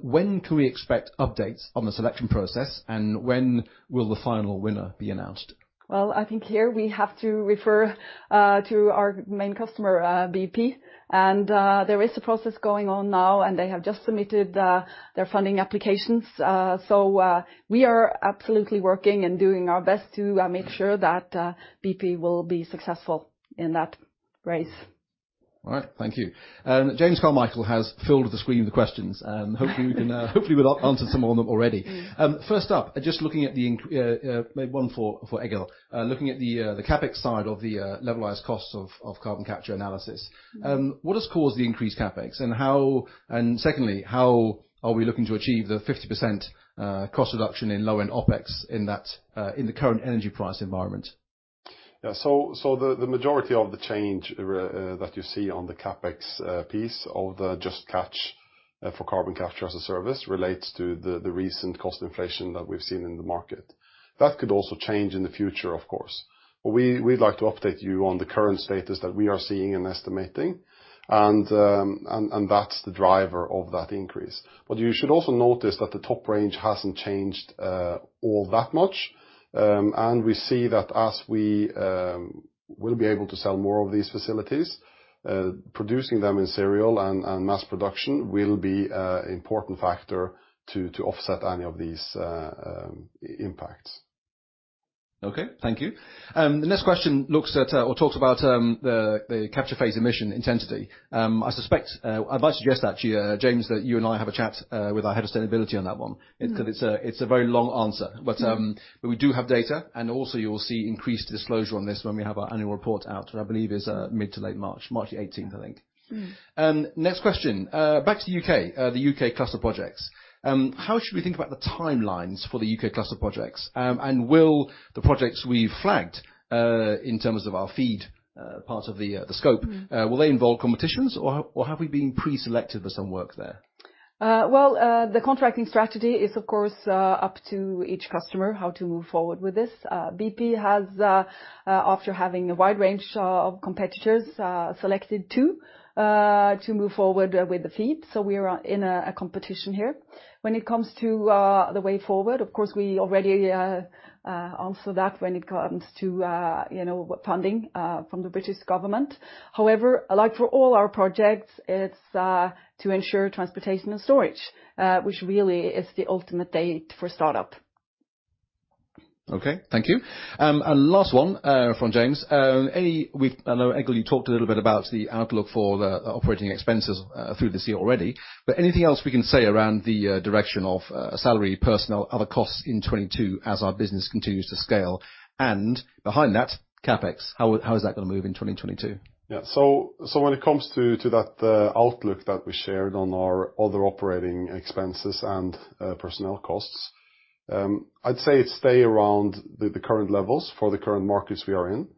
S1: When can we expect updates on the selection process, and when will the final winner be announced?
S2: Well, I think here we have to refer to our main customer, BP. There is a process going on now, and they have just submitted their funding applications. We are absolutely working and doing our best to make sure that BP will be successful in that race.
S1: All right. Thank you. James Carmichael has filled the screen with questions. Hopefully we'll answer some more of them already.
S2: Mm.
S1: First up, just looking at maybe one for Egil. Looking at the CapEx side of the levelized costs of carbon capture analysis.
S2: Mm.
S1: What has caused the increased CapEx? Secondly, how are we looking to achieve the 50% cost reduction in low-end OpEx in the current energy price environment?
S3: Yeah. The majority of the change that you see on the CapEx piece of the Just Catch for Carbon Capture as a Service relates to the recent cost inflation that we've seen in the market. That could also change in the future, of course. We'd like to update you on the current status that we are seeing and estimating, and that's the driver of that increase. But you should also notice that the top range hasn't changed all that much. We see that as we will be able to sell more of these facilities. Producing them in serial and mass production will be an important factor to offset any of these impacts.
S1: Okay. Thank you. The next question looks at or talks about the capture phase emission intensity. I suspect I'd like to suggest actually James that you and I have a chat with our head of sustainability on that one.
S2: Mm.
S1: 'Cause it's a very long answer.
S2: Mm.
S1: We do have data, and also you will see increased disclosure on this when we have our annual report out, which I believe is mid to late March. March the 18th, I think.
S2: Mm.
S1: Next question. Back to the U.K., the U.K. cluster projects. How should we think about the timelines for the U.K. cluster projects? Will the projects we've flagged, in terms of our FEED, part of the scope-
S2: Mm.
S1: Will they involve competitions or have we been pre-selected for some work there?
S2: Well, the contracting strategy is, of course, up to each customer how to move forward with this. BP has, after having a wide range of competitors, selected two to move forward with the FEED. We are in a competition here. When it comes to the way forward, of course, we already answered that when it comes to, you know, funding from the British government. However, like for all our projects, it's to ensure transportation and storage, which really is the ultimate date for startup.
S1: Okay. Thank you. Last one from James. I know, Egil, you talked a little bit about the outlook for the operating expenses through this year already. Anything else we can say around the direction of salary, personnel, other costs in 2022 as our business continues to scale? And behind that, CapEx, how is that gonna move in 2022?
S3: When it comes to that outlook that we shared on our other operating expenses and personnel costs, I'd say stay around the current levels for the current markets we are in.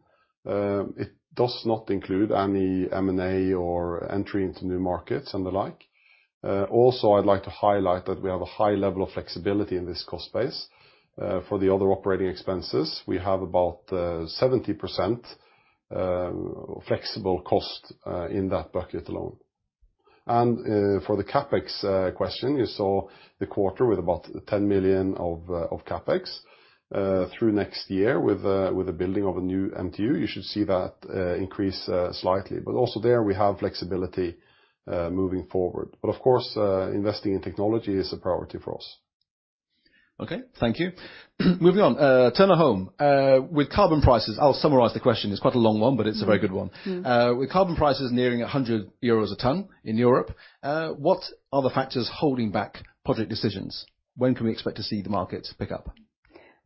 S3: It does not include any M&A or entry into new markets and the like. Also, I'd like to highlight that we have a high level of flexibility in this cost base. For the other operating expenses, we have about 70% flexible cost in that bucket alone. For the CapEx question, you saw the quarter with about 10 million of CapEx through next year with the building of a new MTU. You should see that increase slightly. But also there, we have flexibility moving forward. Of course, investing in technology is a priority for us.
S1: Okay. Thank you. Moving on. Turner Holm. With carbon prices, I'll summarize the question. It's quite a long one, but it's a very good one.
S2: Mm.
S1: With carbon prices nearing 100 euros a ton in Europe, what are the factors holding back project decisions? When can we expect to see the markets pick up?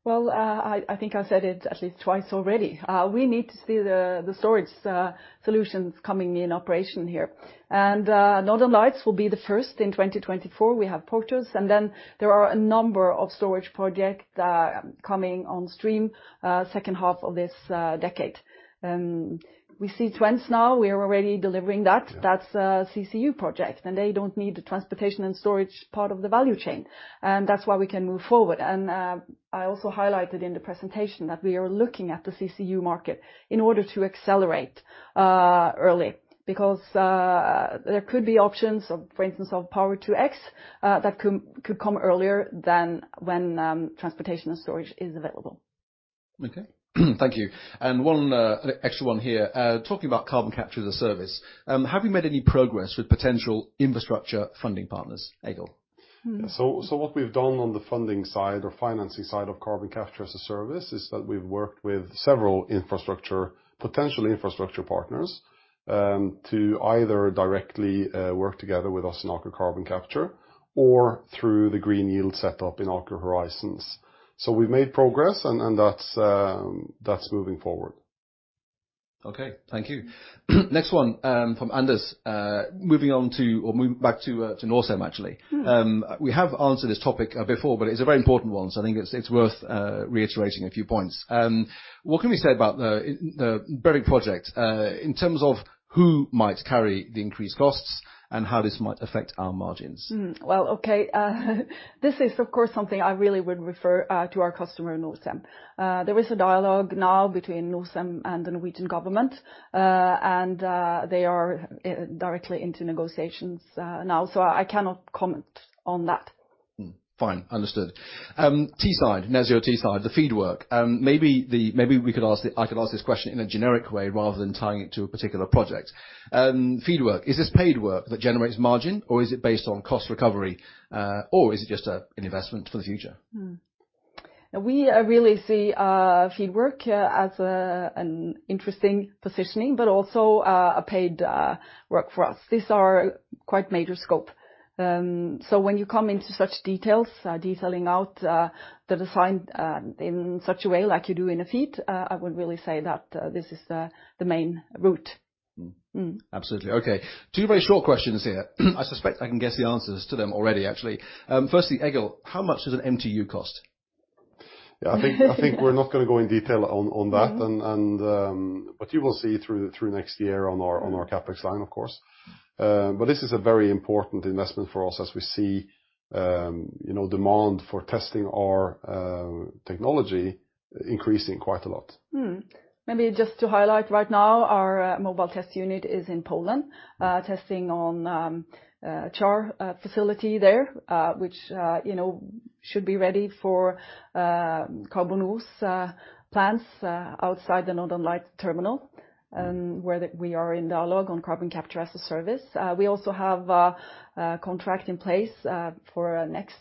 S2: Well, I think I said it at least twice already. We need to see the storage solutions coming in operation here. Northern Lights will be the first in 2024. We have Porthos, and then there are a number of storage projects coming on stream second half of this decade. We see Twence now. We are already delivering that.
S3: Yeah.
S2: That's a CCU project, and they don't need the transportation and storage part of the value chain. I also highlighted in the presentation that we are looking at the CCU market in order to accelerate early because there could be options of, for instance, of Power2X that could come earlier than when transportation and storage is available.
S1: Okay. Thank you. One extra one here. Talking about Carbon Capture as a Service, have you made any progress with potential infrastructure funding partners, Egil?
S2: Mm.
S3: What we've done on the funding side or financing side of Carbon Capture as a Service is that we've worked with several infrastructure, potential infrastructure partners, to either directly, work together with us in Aker Carbon Capture or through the green yieldco set up in Aker Horizons. We've made progress, and that's moving forward.
S1: Okay. Thank you. Next one, from Anders. Moving on to, or move back to, Norcem actually.
S2: Mm.
S1: We have answered this topic before, but it's a very important one, so I think it's worth reiterating a few points. What can we say about the Bergen project in terms of who might carry the increased costs and how this might affect our margins?
S2: Well, okay. This is, of course, something I really would refer to our customer, Norcem. There is a dialogue now between Norcem and the Norwegian government, and they are directly into negotiations now, so I cannot comment on that.
S1: Fine. Understood. Teesside, Net Zero Teesside, the FEED work. Maybe we could ask this question in a generic way rather than tying it to a particular project. FEED work, is this paid work that generates margin, or is it based on cost recovery? Or is it just an investment for the future?
S2: We really see FEED work as an interesting positioning, but also a paid work for us. These are quite major scope. When you come into such details, detailing out the design in such a way like you do in a FEED, I would really say that this is the main route.
S1: Hmm.
S2: Mm.
S1: Absolutely. Okay. Two very short questions here. I suspect I can guess the answers to them already, actually. Firstly, Egil, how much does an MTU cost?
S3: Yeah, I think we're not gonna go in detail on that.
S2: Mm-hmm.
S3: You will see through next year on our CapEx line, of course. This is a very important investment for us as we see, you know, demand for testing our technology increasing quite a lot.
S2: Maybe just to highlight right now, our Mobile Test Unit is in Poland, testing on facility there, which you know should be ready for carbon capture plants outside the Northern Lights terminal, where we are in dialogue on Carbon Capture as a Service. We also have a contract in place for our next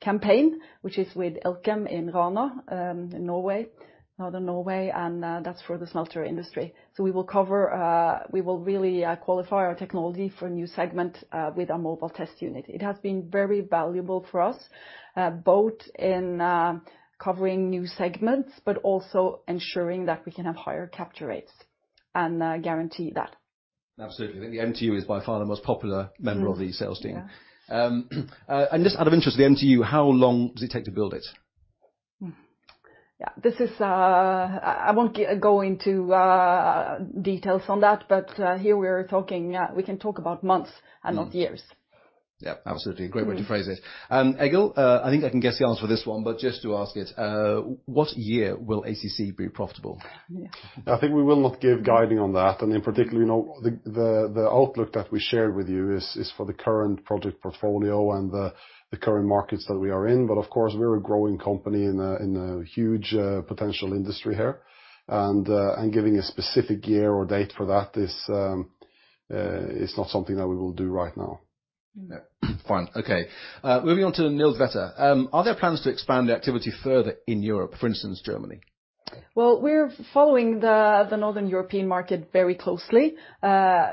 S2: campaign, which is with Elkem in Rana in Norway, Northern Norway. That's for the smelter industry. We will cover, we will really qualify our technology for a new segment with our Mobile Test Unit. It has been very valuable for us both in covering new segments, but also ensuring that we can have higher capture rates and guarantee that.
S1: Absolutely. I think the MTU is by far the most popular member of the sales team.
S2: Yeah.
S1: Just out of interest, the MTU, how long does it take to build it?
S2: I won't go into details on that, but here we're talking. We can talk about months and not years.
S1: Yeah, absolutely. Great way to phrase it. Egil, I think I can guess the answer to this one, but just to ask it, what year will ACC be profitable?
S2: Yeah.
S3: I think we will not give guidance on that. In particular, you know, the outlook that we shared with you is for the current project portfolio and the current markets that we are in. Of course, we're a growing company in a huge potential industry here. Giving a specific year or date for that is not something that we will do right now.
S2: Yeah.
S1: Fine. Okay. Moving on to. Are there plans to expand the activity further in Europe, for instance, Germany?
S2: Well, we're following the Northern European market very closely.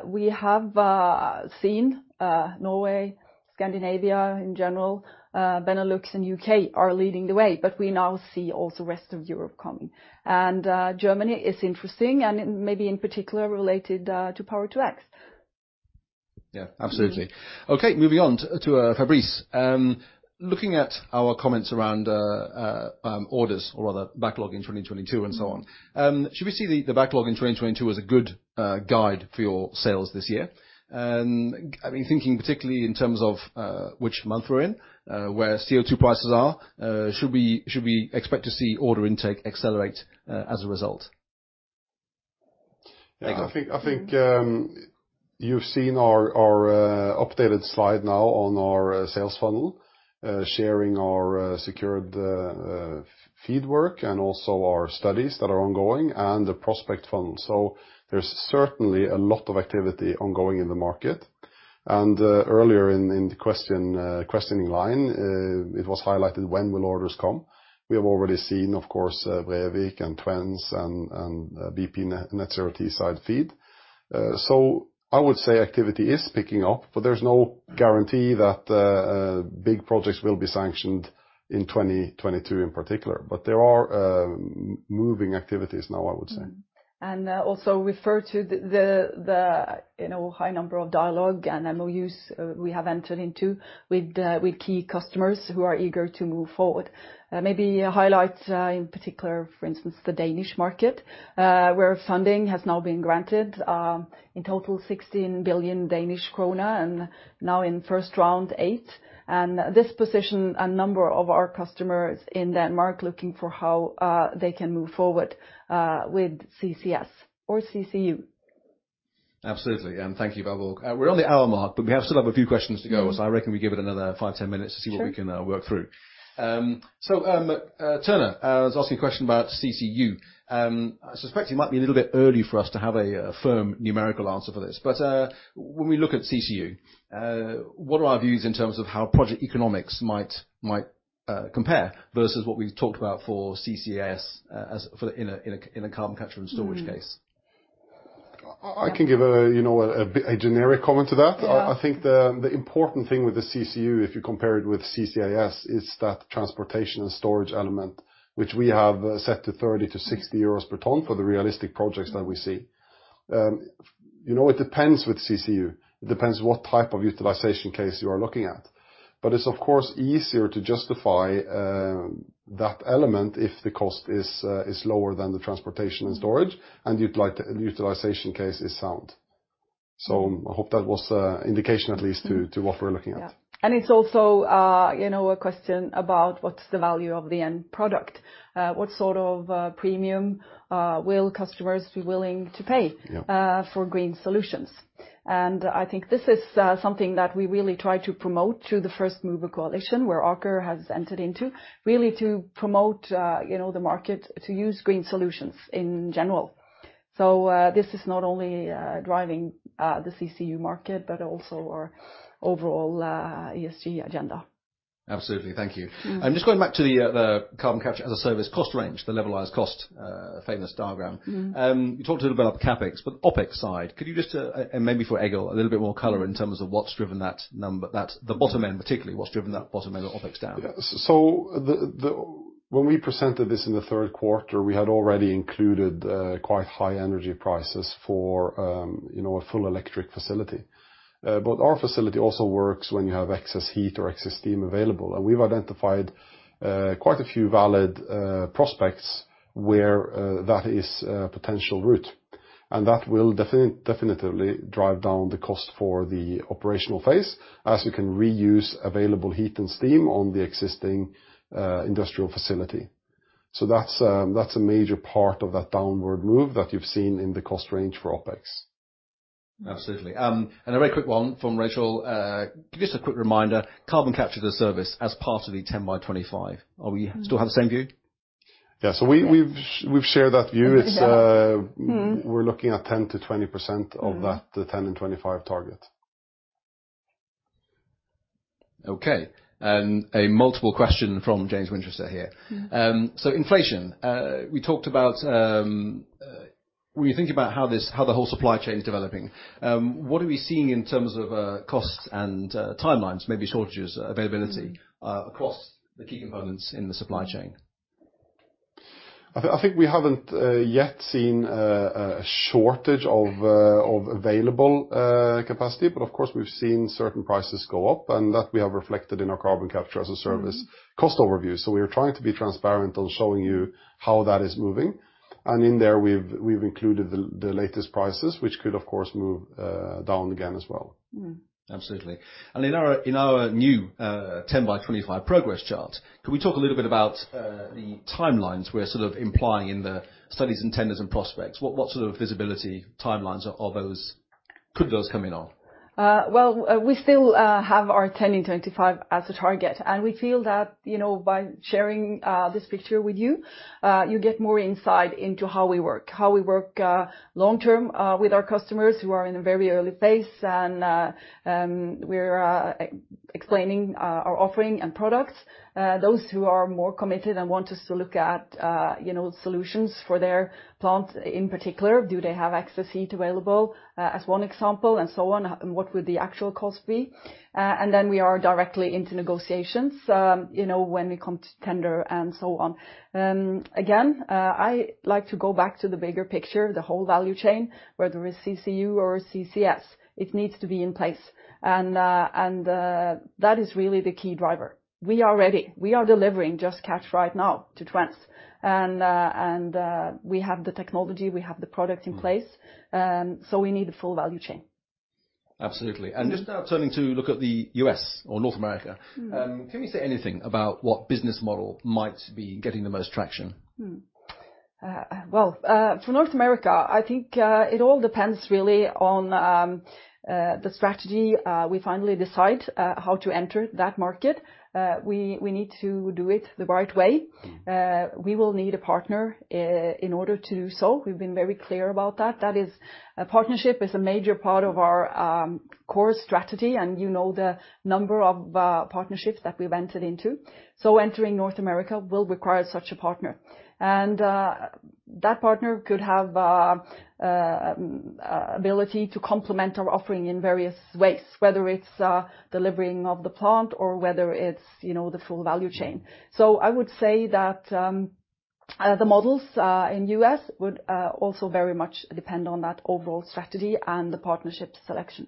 S2: We have seen Norway, Scandinavia in general, Benelux and U.K. are leading the way, but we now see also the rest of Europe coming. Germany is interesting, and maybe in particular related to Power-to-X.
S1: Yeah, absolutely.
S2: Mm-hmm.
S1: Okay. Moving on to Fabrice. Looking at our comments around orders or other backlog in 2022 and so on. Should we see the backlog in 2022 as a good guide for your sales this year? I mean, thinking particularly in terms of which month we're in, where CO2 prices are, should we expect to see order intake accelerate as a result?
S3: Yeah. I think you've seen our updated slide now on our sales funnel sharing our secured FEED work and also our studies that are ongoing and the prospect funnel. There's certainly a lot of activity ongoing in the market. Earlier in the questioning line it was highlighted when will orders come. We have already seen, of course, Brevik and Twence and BP Net Zero Teesside FEED. I would say activity is picking up, but there's no guarantee that big projects will be sanctioned in 2022 in particular. There are moving activities now, I would say.
S2: Also refer to the, you know, high number of dialogues and MOUs we have entered into with key customers who are eager to move forward. Maybe highlight, in particular, for instance, the Danish market, where funding has now been granted, in total 16 billion Danish krone, and now in first round, 8 billion. This positions a number of our customers in Denmark looking for how they can move forward with CCS or CCU.
S1: Absolutely. Thank you, Valborg. We're on the hour mark, but we still have a few questions to go.
S2: Mm-hmm.
S1: I reckon we give it another 5, 10 minutes to see what we can work through.
S2: Sure.
S1: Turner was asking a question about CCU. I suspect it might be a little bit early for us to have a firm numerical answer for this, but when we look at CCU, what are our views in terms of how project economics might compare versus what we've talked about for CCAS as for a carbon capture and storage case?
S2: Mm-hmm.
S3: I can give, you know, a generic comment to that.
S2: Yeah.
S3: I think the important thing with the CCU, if you compare it with CCaS, is that transportation and storage element, which we have set to 30-60 euros per ton for the realistic projects that we see. You know, it depends with CCU. It depends what type of utilization case you are looking at. But it's of course easier to justify that element if the cost is lower than the transportation and storage, and utilization case is sound. I hope that was indication at least to what we're looking at.
S2: It's also, you know, a question about what's the value of the end product, what sort of premium will customers be willing to pay-
S3: Yeah.
S2: For green solutions. I think this is something that we really try to promote through the First Movers Coalition where Aker has entered into, really to promote, you know, the market to use green solutions in general. This is not only driving the CCU market, but also our overall ESG agenda.
S1: Absolutely. Thank you.
S2: Mm-hmm.
S1: I'm just going back to the Carbon Capture as a Service cost range, the levelized cost, famous diagram.
S2: Mm-hmm.
S1: You talked a little about the CapEx, but OpEx side, could you just, and maybe for Egil, a little bit more color in terms of what's driven that number, the bottom end particularly, what's driven that bottom end of OpEx down?
S3: Yes. When we presented this in the third quarter, we had already included quite high energy prices for, you know, a full electric facility. Our facility also works when you have excess heat or excess steam available. We've identified quite a few valid prospects where that is a potential route. That will definitely drive down the cost for the operational phase as you can reuse available heat and steam on the existing industrial facility. That's a major part of that downward move that you've seen in the cost range for OpEx.
S2: Mm-hmm.
S1: Absolutely. A very quick one from Rachel. Give us a quick reminder, Carbon Capture as a Service as part of the 10 by 25. Are we-
S2: Mm-hmm.
S1: Still have the same view?
S3: Yeah.
S2: Yeah.
S3: We've shared that view.
S2: Yeah.
S3: It's, uh-
S2: Mm-hmm.
S3: We're looking at 10%-20%.
S2: Mm-hmm.
S3: of that, the 10 in 25 target.
S1: Okay. A multiple question from James Winchester here.
S2: Mm-hmm.
S1: Inflation, we talked about, when you think about how the whole supply chain is developing, what are we seeing in terms of costs and timelines, maybe shortages, availability?
S2: Mm-hmm.
S1: across the key components in the supply chain?
S3: I think we haven't yet seen a shortage of available capacity, but of course, we've seen certain prices go up, and that we have reflected in our Carbon Capture as a Service.
S2: Mm-hmm.
S3: Cost overview. We are trying to be transparent on showing you how that is moving. In there we've included the latest prices, which could of course move down again as well.
S2: Mm-hmm.
S1: Absolutely. In our new 10 by 25 progress chart, can we talk a little bit about the timelines we're sort of implying in the studies and tenders and prospects? What sort of visibility timelines are those? Could those come in on?
S2: Well, we still have our 10 in 25 as a target, and we feel that, you know, by sharing this picture with you get more insight into how we work long-term with our customers who are in a very early phase and we're explaining our offering and products. Those who are more committed and want us to look at, you know, solutions for their plant, in particular, do they have excess heat available, as one example, and so on, what would the actual cost be? And then we are directly into negotiations, you know, when it comes to tender and so on. Again, I like to go back to the bigger picture, the whole value chain, whether it's CCU or CCS, it needs to be in place. That is really the key driver. We are ready. We are delivering Just Catch right now to Twence. We have the technology, we have the product in place.
S1: Mm-hmm.
S2: We need the full value chain.
S1: Absolutely.
S2: Mm-hmm.
S1: Just now turning to look at the U.S. or North America.
S2: Mm-hmm.
S1: Can you say anything about what business model might be getting the most traction?
S2: Well, for North America, I think it all depends really on the strategy we finally decide how to enter that market. We need to do it the right way.
S1: Mm-hmm.
S2: We will need a partner in order to do so. We've been very clear about that. That is, a partnership is a major part of our core strategy, and you know the number of partnerships that we've entered into. Entering North America will require such a partner. That partner could have ability to complement our offering in various ways, whether it's delivering of the plant or whether it's, you know, the full value chain. I would say that the models in U.S. would also very much depend on that overall strategy and the partnership selection.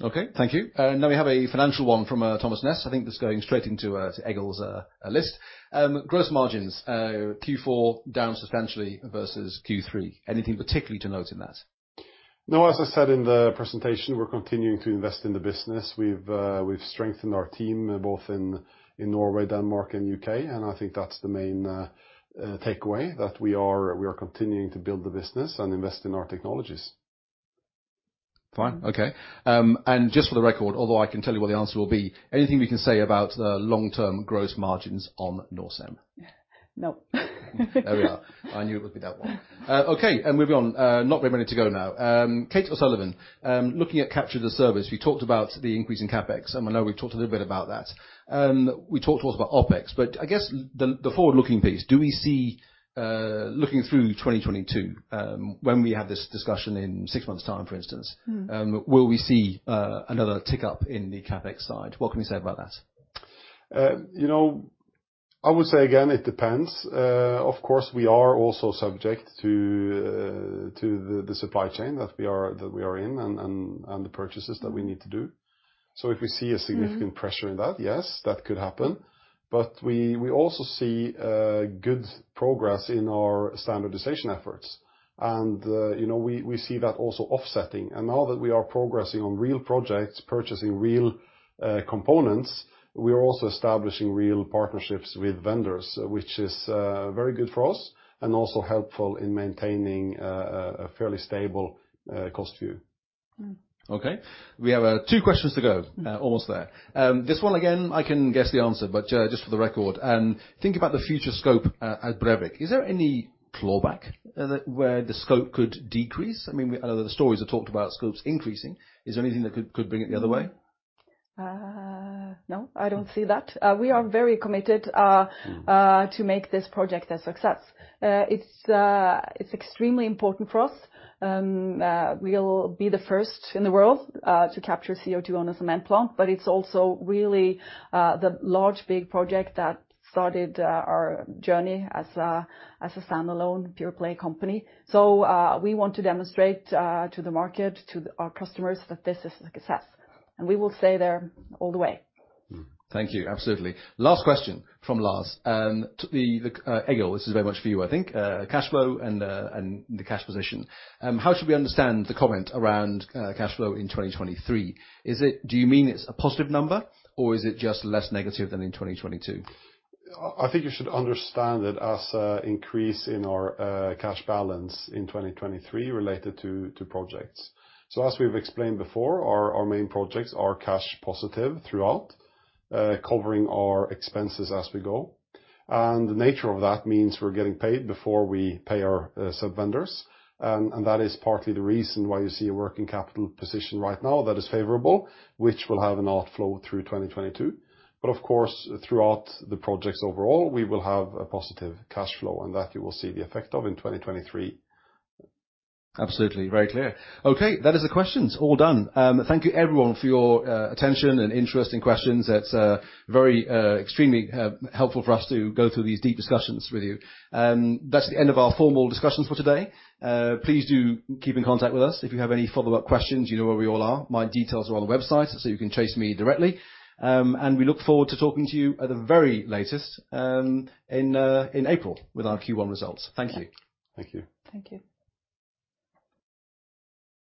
S1: Okay. Thank you. Now we have a financial one from Thomas Ness. I think that's going straight into Egil's list. Gross margins, Q4 down substantially versus Q3. Anything particularly to note in that?
S3: No. As I said in the presentation, we're continuing to invest in the business. We've strengthened our team, both in Norway, Denmark, and U.K., and I think that's the main takeaway, that we are continuing to build the business and invest in our technologies.
S1: Fine. Okay. Just for the record, although I can tell you what the answer will be, anything we can say about long-term gross margins on Norcem?
S2: Nope.
S1: There we are. I knew it would be that one. Okay, moving on. Not very many to go now. Kate O'Sullivan, looking at capture as a service, you talked about the increase in CapEx, and I know we've talked a little bit about that. We talked to you about OpEx, but I guess the forward-looking piece, do we see, looking through 2022, when we have this discussion in six months' time, for instance?
S2: Mm-hmm.
S1: Will we see another tick up in the CapEx side? What can we say about that?
S3: You know, I would say again, it depends. Of course, we are also subject to the supply chain that we are in and the purchases that we need to do. If we see a significant pressure in that, yes, that could happen. We also see good progress in our standardization efforts. You know, we see that also offsetting. Now that we are progressing on real projects, purchasing real components, we are also establishing real partnerships with vendors, which is very good for us and also helpful in maintaining a fairly stable cost view.
S1: Okay. We have two questions to go.
S2: Mm-hmm.
S1: Almost there. This one again, I can guess the answer, but just for the record. Think about the future scope at Brevik. Is there any clawback that where the scope could decrease? I mean, I know the stories have talked about scopes increasing. Is there anything that could bring it the other way?
S2: No, I don't see that. We are very committed to make this project a success. It's extremely important for us. We'll be the first in the world to capture CO2 on a cement plant, but it's also really the large, big project that started our journey as a standalone pure-play company. We want to demonstrate to the market, to our customers that this is a success. We will stay there all the way.
S1: Thank you. Absolutely. Last question from Lars. To Egil, this is very much for you, I think. Cash flow and the cash position. How should we understand the comment around cash flow in 2023? Do you mean it's a positive number or is it just less negative than in 2022?
S3: I think you should understand it as an increase in our cash balance in 2023 related to projects. As we've explained before, our main projects are cash positive throughout, covering our expenses as we go. The nature of that means we're getting paid before we pay our said vendors. That is partly the reason why you see a working capital position right now that is favorable, which will have an outflow through 2022. Of course, throughout the projects overall, we will have a positive cash flow, and that you will see the effect of in 2023.
S1: Absolutely. Very clear. Okay. That's all the questions done. Thank you everyone for your attention and interesting questions. That's very extremely helpful for us to go through these deep discussions with you. That's the end of our formal discussions for today. Please do keep in contact with us. If you have any follow-up questions, you know where we all are. My details are on the website, so you can chase me directly. We look forward to talking to you at the very latest in April with our Q1 results. Thank you.
S3: Thank you.
S2: Thank you.